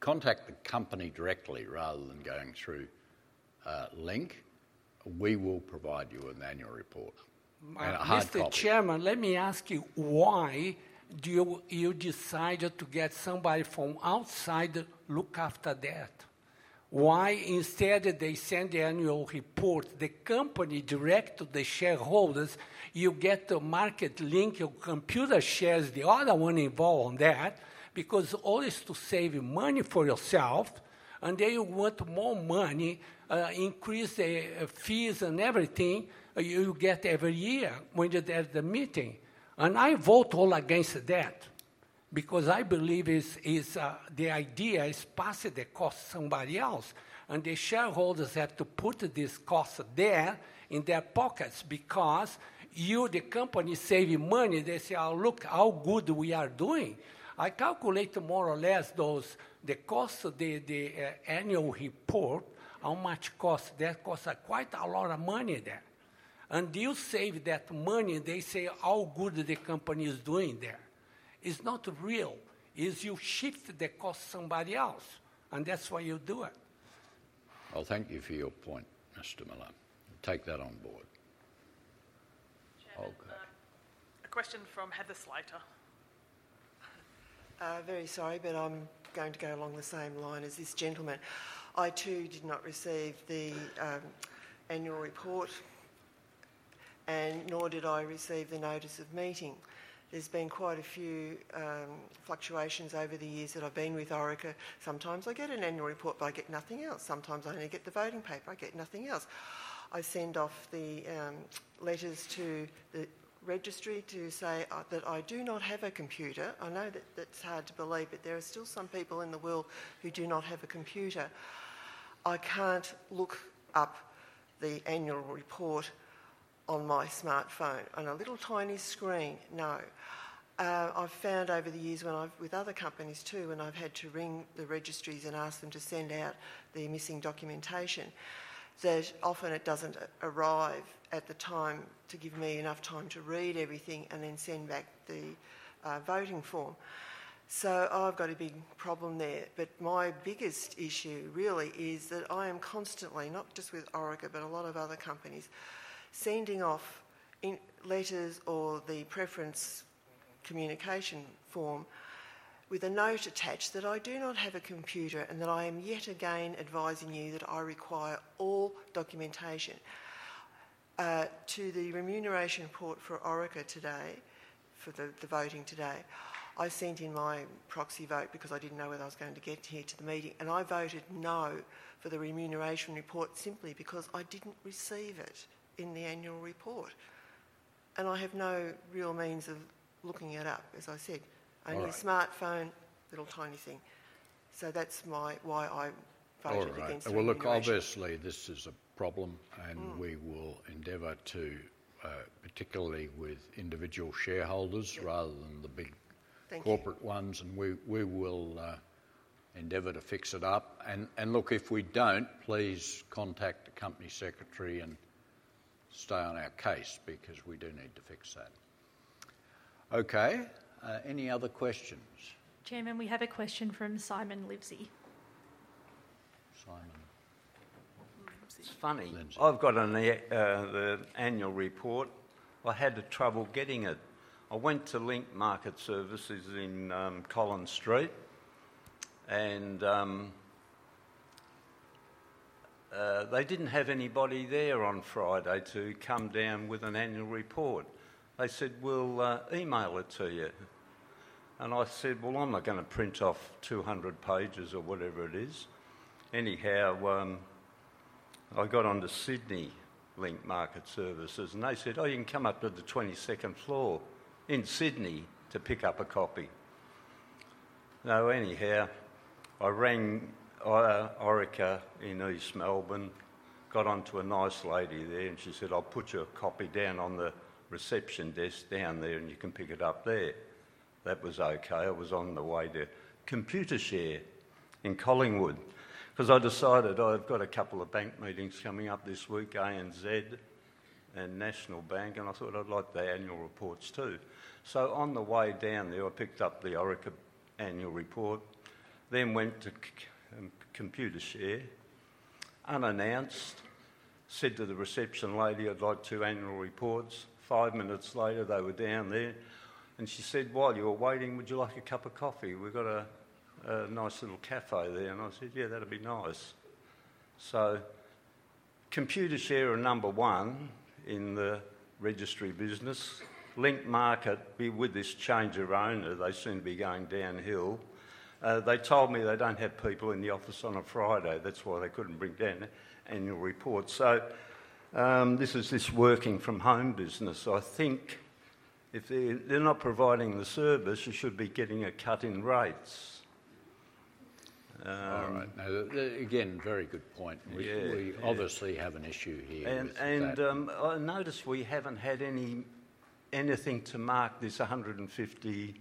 contact the company directly rather than going through Link, we will provide you with an annual report. Mr. Chairman, let me ask you, why you decided to get somebody from outside to look after that? Why instead they send the annual report the company direct to the shareholders. You get the Link Market or Computershare, the other one involved on that, because all is to save money for yourself, and then you want more money, increase the fees and everything you get every year when you're at the meeting. I vote all against that because I believe the idea is passive that costs somebody else. The shareholders have to put this cost there in their pockets because you, the company, save money. They say, "Oh, look how good we are doing." I calculate more or less the cost of the annual report, how much costs that costs quite a lot of money there. You save that money. They say, "Oh, good the company is doing there." It's not real. It's you shift the cost to somebody else. That's why you do it. Thank you for your point, Mr. Miller. Take that on board. A question from Heather Slater. Very sorry, but I'm going to go along the same line as this gentleman. I too did not receive the annual report, and nor did I receive the notice of meeting. There's been quite a few fluctuations over the years that I've been with Orica. Sometimes I get an annual report, but I get nothing else. Sometimes I only get the voting paper. I get nothing else. I send off the letters to the registry to say that I do not have a computer. I know that's hard to believe, but there are still some people in the world who do not have a computer. I can't look up the annual report on my smartphone on a little tiny screen. No. I've found over the years with other companies too, when I've had to ring the registries and ask them to send out the missing documentation, that often it doesn't arrive at the time to give me enough time to read everything and then send back the voting form. So I've got a big problem there. But my biggest issue really is that I am constantly, not just with Orica, but a lot of other companies, sending off letters or the preference communication form with a note attached that I do not have a computer and that I am yet again advising you that I require all documentation. To the remuneration report for Orica today, for the voting today, I sent in my proxy vote because I didn't know whether I was going to get here to the meeting. I voted no for the remuneration report simply because I didn't receive it in the annual report. I have no real means of looking it up, as I said. Only smartphone, little tiny thing. So that's why I voted against it. Look, obviously this is a problem, and we will endeavor to, particularly with individual shareholders rather than the big corporate ones. We will endeavor to fix it up. Look, if we don't, please contact the company secretary and stay on our case because we do need to fix that. Okay. Any other questions? Chairman, we have a question from Simon Livesey. Simon. It's funny. I've got an annual report. I had trouble getting it. I went to Link Market Services in Collins Street, and they didn't have anybody there on Friday to come down with an annual report. They said, "We'll email it to you." And I said, "Well, I'm not going to print off 200 pages or whatever it is." Anyhow, I got on to Link Market Services in Sydney, and they said, "Oh, you can come up to the 22nd floor in Sydney to pick up a copy." So anyhow, I rang Orica in East Melbourne, got onto a nice lady there, and she said, "I'll put your copy down on the reception desk down there, and you can pick it up there." That was okay. I was on the way to Computershare in Collingwood because I decided I've got a couple of bank meetings coming up this week, ANZ and National Bank, and I thought I'd like the annual reports too. So on the way down there, I picked up the Orica annual report, then went to Computershare, unannounced, said to the reception lady, "I'd like two annual reports." Five minutes later, they were down there. And she said, "While you're waiting, would you like a cup of coffee? We've got a nice little café there." And I said, "Yeah, that'd be nice." So Computershare are number one in the registry business. Link Market Services, with this change of owner, they seem to be going downhill. They told me they don't have people in the office on a Friday. That's why they couldn't bring down annual reports. So this is the working-from-home business. I think if they're not providing the service, you should be getting a cut in rates. All right. Again, very good point. We obviously have an issue here. And notice we haven't had anything to mark this 150,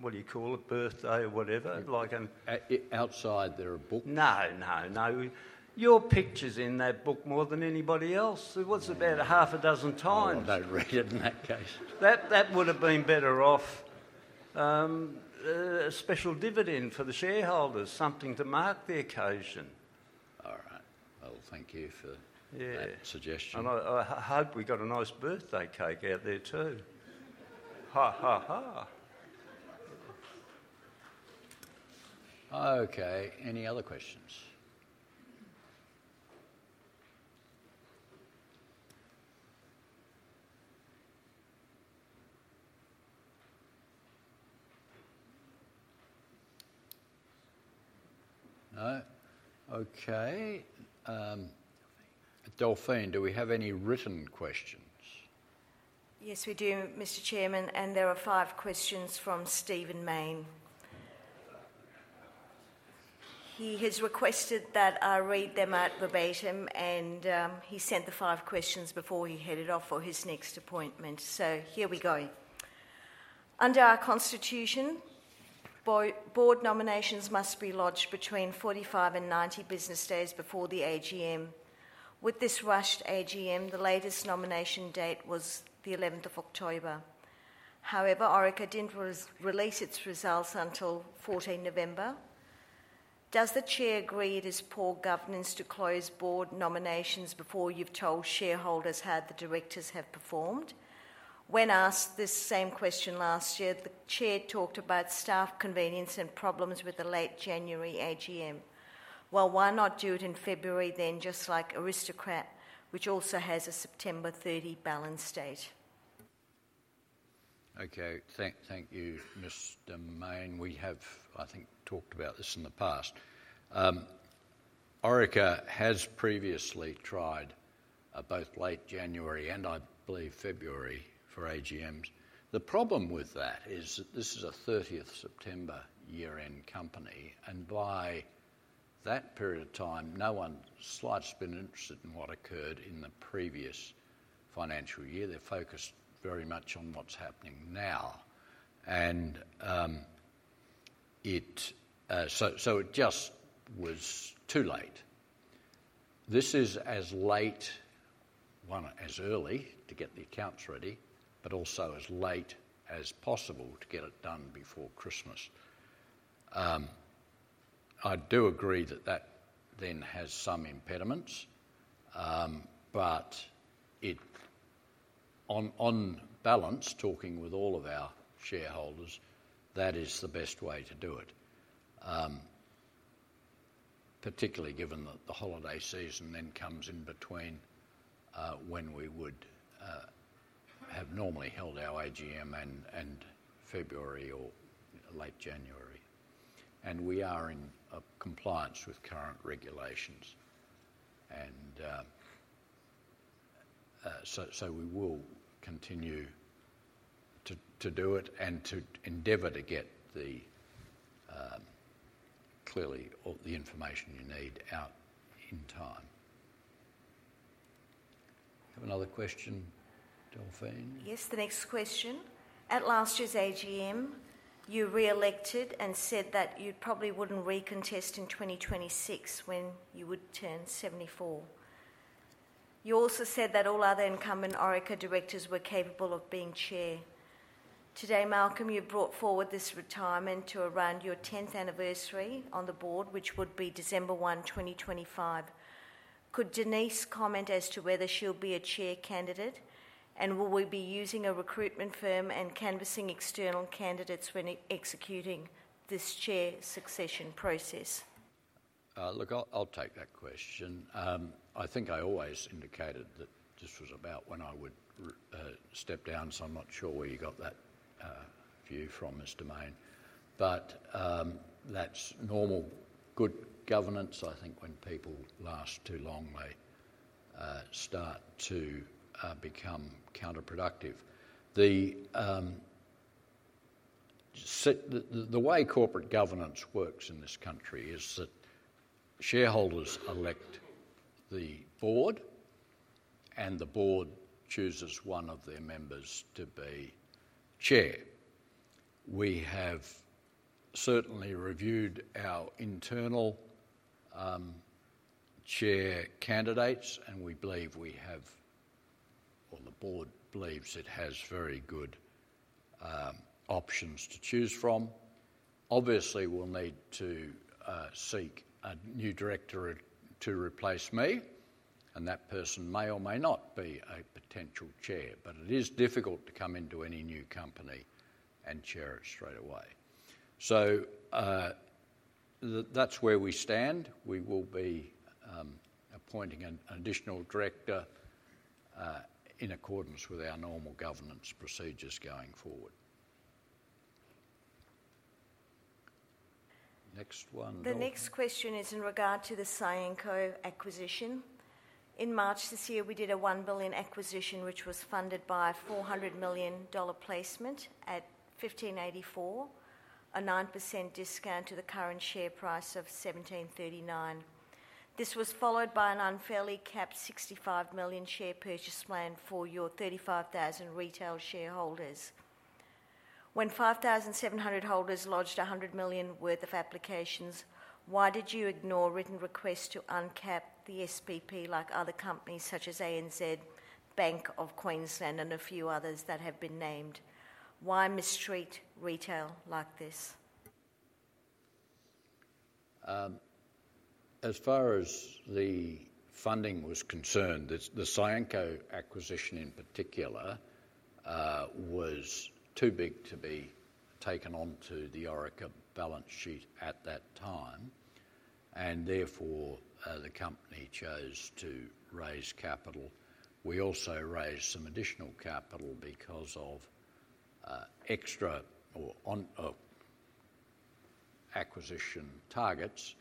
what do you call it, birthday or whatever? Outside, there are books. No, no, no. Your picture's in that book more than anybody else. It was about half a dozen times. I don't read it in that case. That would have been better off. A special dividend for the shareholders, something to mark the occasion. All right. Well, thank you for that suggestion. And I hope we got a nice birthday cake out there too. Ha, ha, ha. Okay. Any other questions? No? Okay. Delphine. Do we have any written questions? Yes, we do, Mr. Chairman. And there are five questions from Stephen Mayne. He has requested that I read them out verbatim, and he sent the five questions before he headed off for his next appointment. So here we go. Under our constitution, board nominations must be lodged between 45 and 90 business days before the AGM. With this rushed AGM, the latest nomination date was the 11th of October. However, Orica didn't release its results until 14 November. Does the chair agree it is poor governance to close board nominations before you've told shareholders how the directors have performed? When asked this same question last year, the chair talked about staff convenience and problems with the late January AGM. Well, why not do it in February then, just like Aristocrat, which also has a September 30 balance date? Okay. Thank you, Mr. Mayne. We have, I think, talked about this in the past. Orica has previously tried both late January and, I believe, February for AGMs. The problem with that is that this is a 30th of September year-end company, and by that period of time, no one is slightly interested in what occurred in the previous financial year. They're focused very much on what's happening now. So it just was too late. This is as early as possible to get the accounts ready, but also as late as possible to get it done before Christmas. I do agree that that then has some impediments, but on balance, talking with all of our shareholders, that is the best way to do it, particularly given that the holiday season then comes in between when we would have normally held our AGM in February or late January. We are in compliance with current regulations. So we will continue to do it and to endeavor to clearly get the information you need out in time. Have another question, Delphine? Yes, the next question. At last year's AGM, you re-elected and said that you probably wouldn't recontest in 2026 when you would turn 74. You also said that all other incumbent Orica directors were capable of being chair. Today, Malcolm, you brought forward this retirement to around your 10th anniversary on the board, which would be December 1, 2025. Could Denise comment as to whether she'll be a chair candidate? And will we be using a recruitment firm and canvassing external candidates when executing this chair succession process? Look, I'll take that question. I think I always indicated that this was about when I would step down, so I'm not sure where you got that view from, Mr. Mayne. But that's normal good governance. I think when people last too long, they start to become counterproductive. The way corporate governance works in this country is that shareholders elect the board, and the board chooses one of their members to be chair. We have certainly reviewed our internal chair candidates, and we believe we have, or the board believes it has very good options to choose from. Obviously, we'll need to seek a new director to replace me, and that person may or may not be a potential chair, but it is difficult to come into any new company and chair it straight away. So that's where we stand. We will be appointing an additional director in accordance with our normal governance procedures going forward. Next one. The next question is in regard to the Cyanco acquisition. In March this year, we did an 1 billion acquisition, which was funded by an 400 million dollar placement at 1584, a 9% discount to the current share price of 1739. This was followed by an unfairly capped 65 million share purchase plan for your 35,000 retail shareholders. When 5,700 holders lodged 100 million worth of applications, why did you ignore written requests to uncap the SPP like other companies such as ANZ, Bank of Queensland, and a few others that have been named? Why mistreat retail like this? As far as the funding was concerned, the Cyanco acquisition in particular was too big to be taken onto the Orica balance sheet at that time, and therefore the company chose to raise capital. We also raised some additional capital because of extra acquisition targets,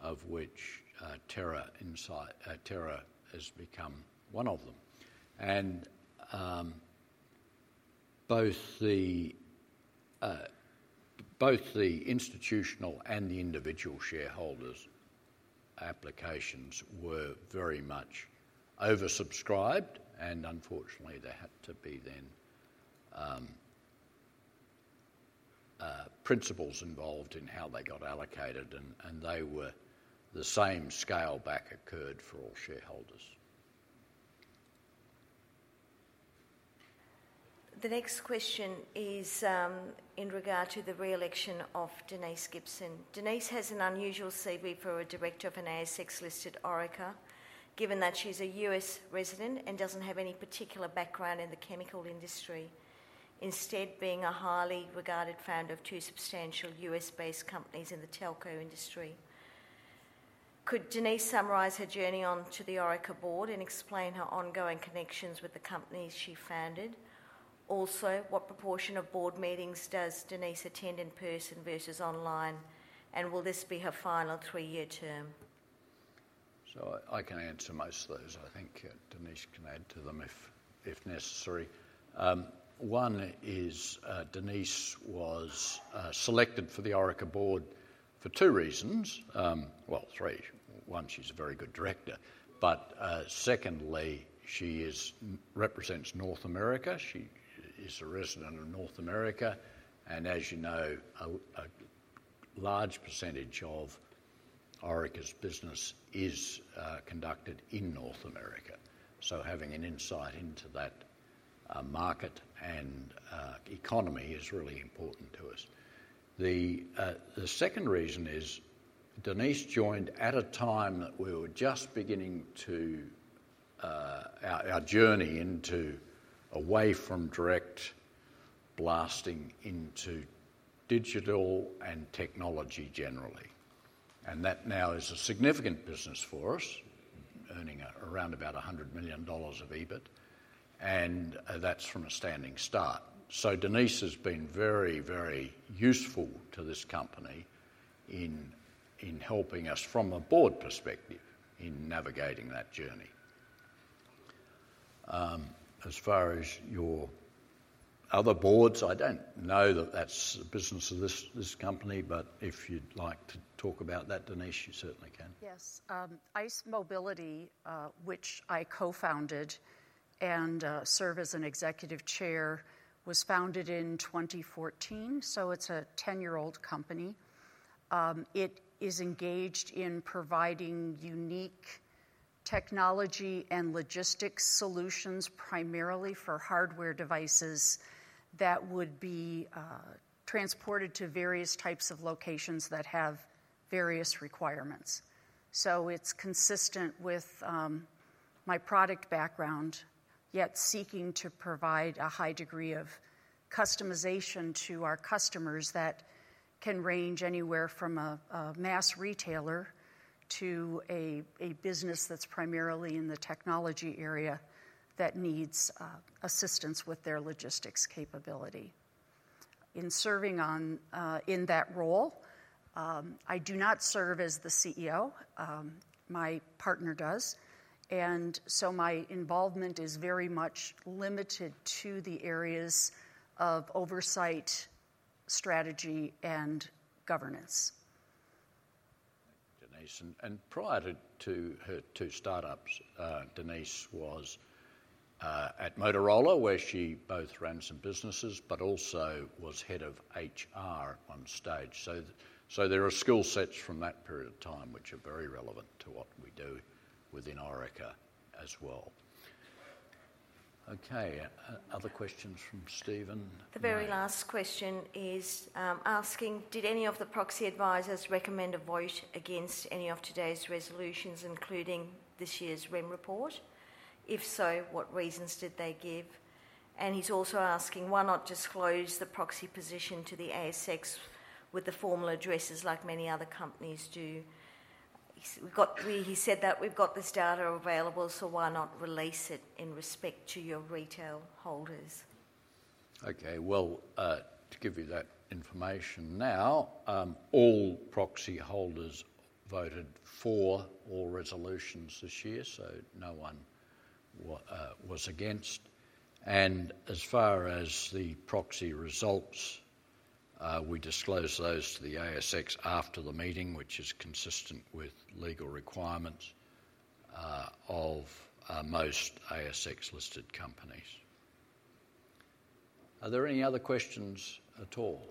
of which Terra has become one of them, and both the institutional and the individual shareholders' applications were very much oversubscribed, and unfortunately, there had to be then principles involved in how they got allocated, and the same scale back occurred for all shareholders. The next question is in regard to the re-election of Denise Gibson. Denise has an unusual CV for a director of an ASX-listed Orica, given that she's a U.S. resident and doesn't have any particular background in the chemical industry, instead being a highly regarded founder of two substantial U.S.-based companies in the telco industry. Could Denise summarize her journey onto the Orica board and explain her ongoing connections with the companies she founded? Also, what proportion of board meetings does Denise attend in person versus online, and will this be her final three-year term? So I can answer most of those. I think Denise can add to them if necessary. One is Denise was selected for the Orica board for two reasons. Well, three. One, she's a very good director. But secondly, she represents North America. She is a resident of North America. And as you know, a large percentage of Orica's business is conducted in North America. So having an insight into that market and economy is really important to us. The second reason is Denise joined at a time that we were just beginning our journey away from direct blasting into digital and technology generally. And that now is a significant business for us, earning around about 100 million dollars of EBIT, and that's from a standing start. So Denise has been very, very useful to this company in helping us from a board perspective in navigating that journey. As far as your other boards, I don't know that that's the business of this company, but if you'd like to talk about that, Denise, you certainly can. Yes. ICE Mobility, which I co-founded and serve as an executive chair, was founded in 2014, so it's a 10-year-old company. It is engaged in providing unique technology and logistics solutions primarily for hardware devices that would be transported to various types of locations that have various requirements, so it's consistent with my product background, yet seeking to provide a high degree of customization to our customers that can range anywhere from a mass retailer to a business that's primarily in the technology area that needs assistance with their logistics capability. In serving in that role, I do not serve as the CEO. My partner does, and so my involvement is very much limited to the areas of oversight, strategy, and governance. Denise, and prior to her two startups, Denise was at Motorola, where she both ran some businesses, but also was head of HR and strategy, so there are skill sets from that period of time which are very relevant to what we do within Orica as well. Okay. Other questions from Stephen? The very last question is asking, did any of the proxy advisors recommend a vote against any of today's resolutions, including this year's Rem report? If so, what reasons did they give? And he's also asking, why not disclose the proxy position to the ASX with the formal addresses like many other companies do? He said that we've got this data available, so why not release it in respect to your retail holders? Okay. Well, to give you that information now, all proxy holders voted for all resolutions this year, so no one was against. And as far as the proxy results, we disclosed those to the ASX after the meeting, which is consistent with legal requirements of most ASX-listed companies. Are there any other questions at all?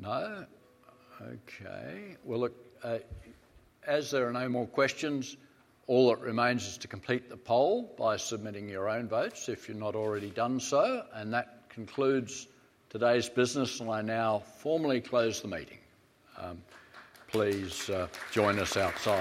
No? Okay. Look, as there are no more questions, all that remains is to complete the poll by submitting your own votes if you've not already done so. That concludes today's business, and I now formally close the meeting. Please join us outside.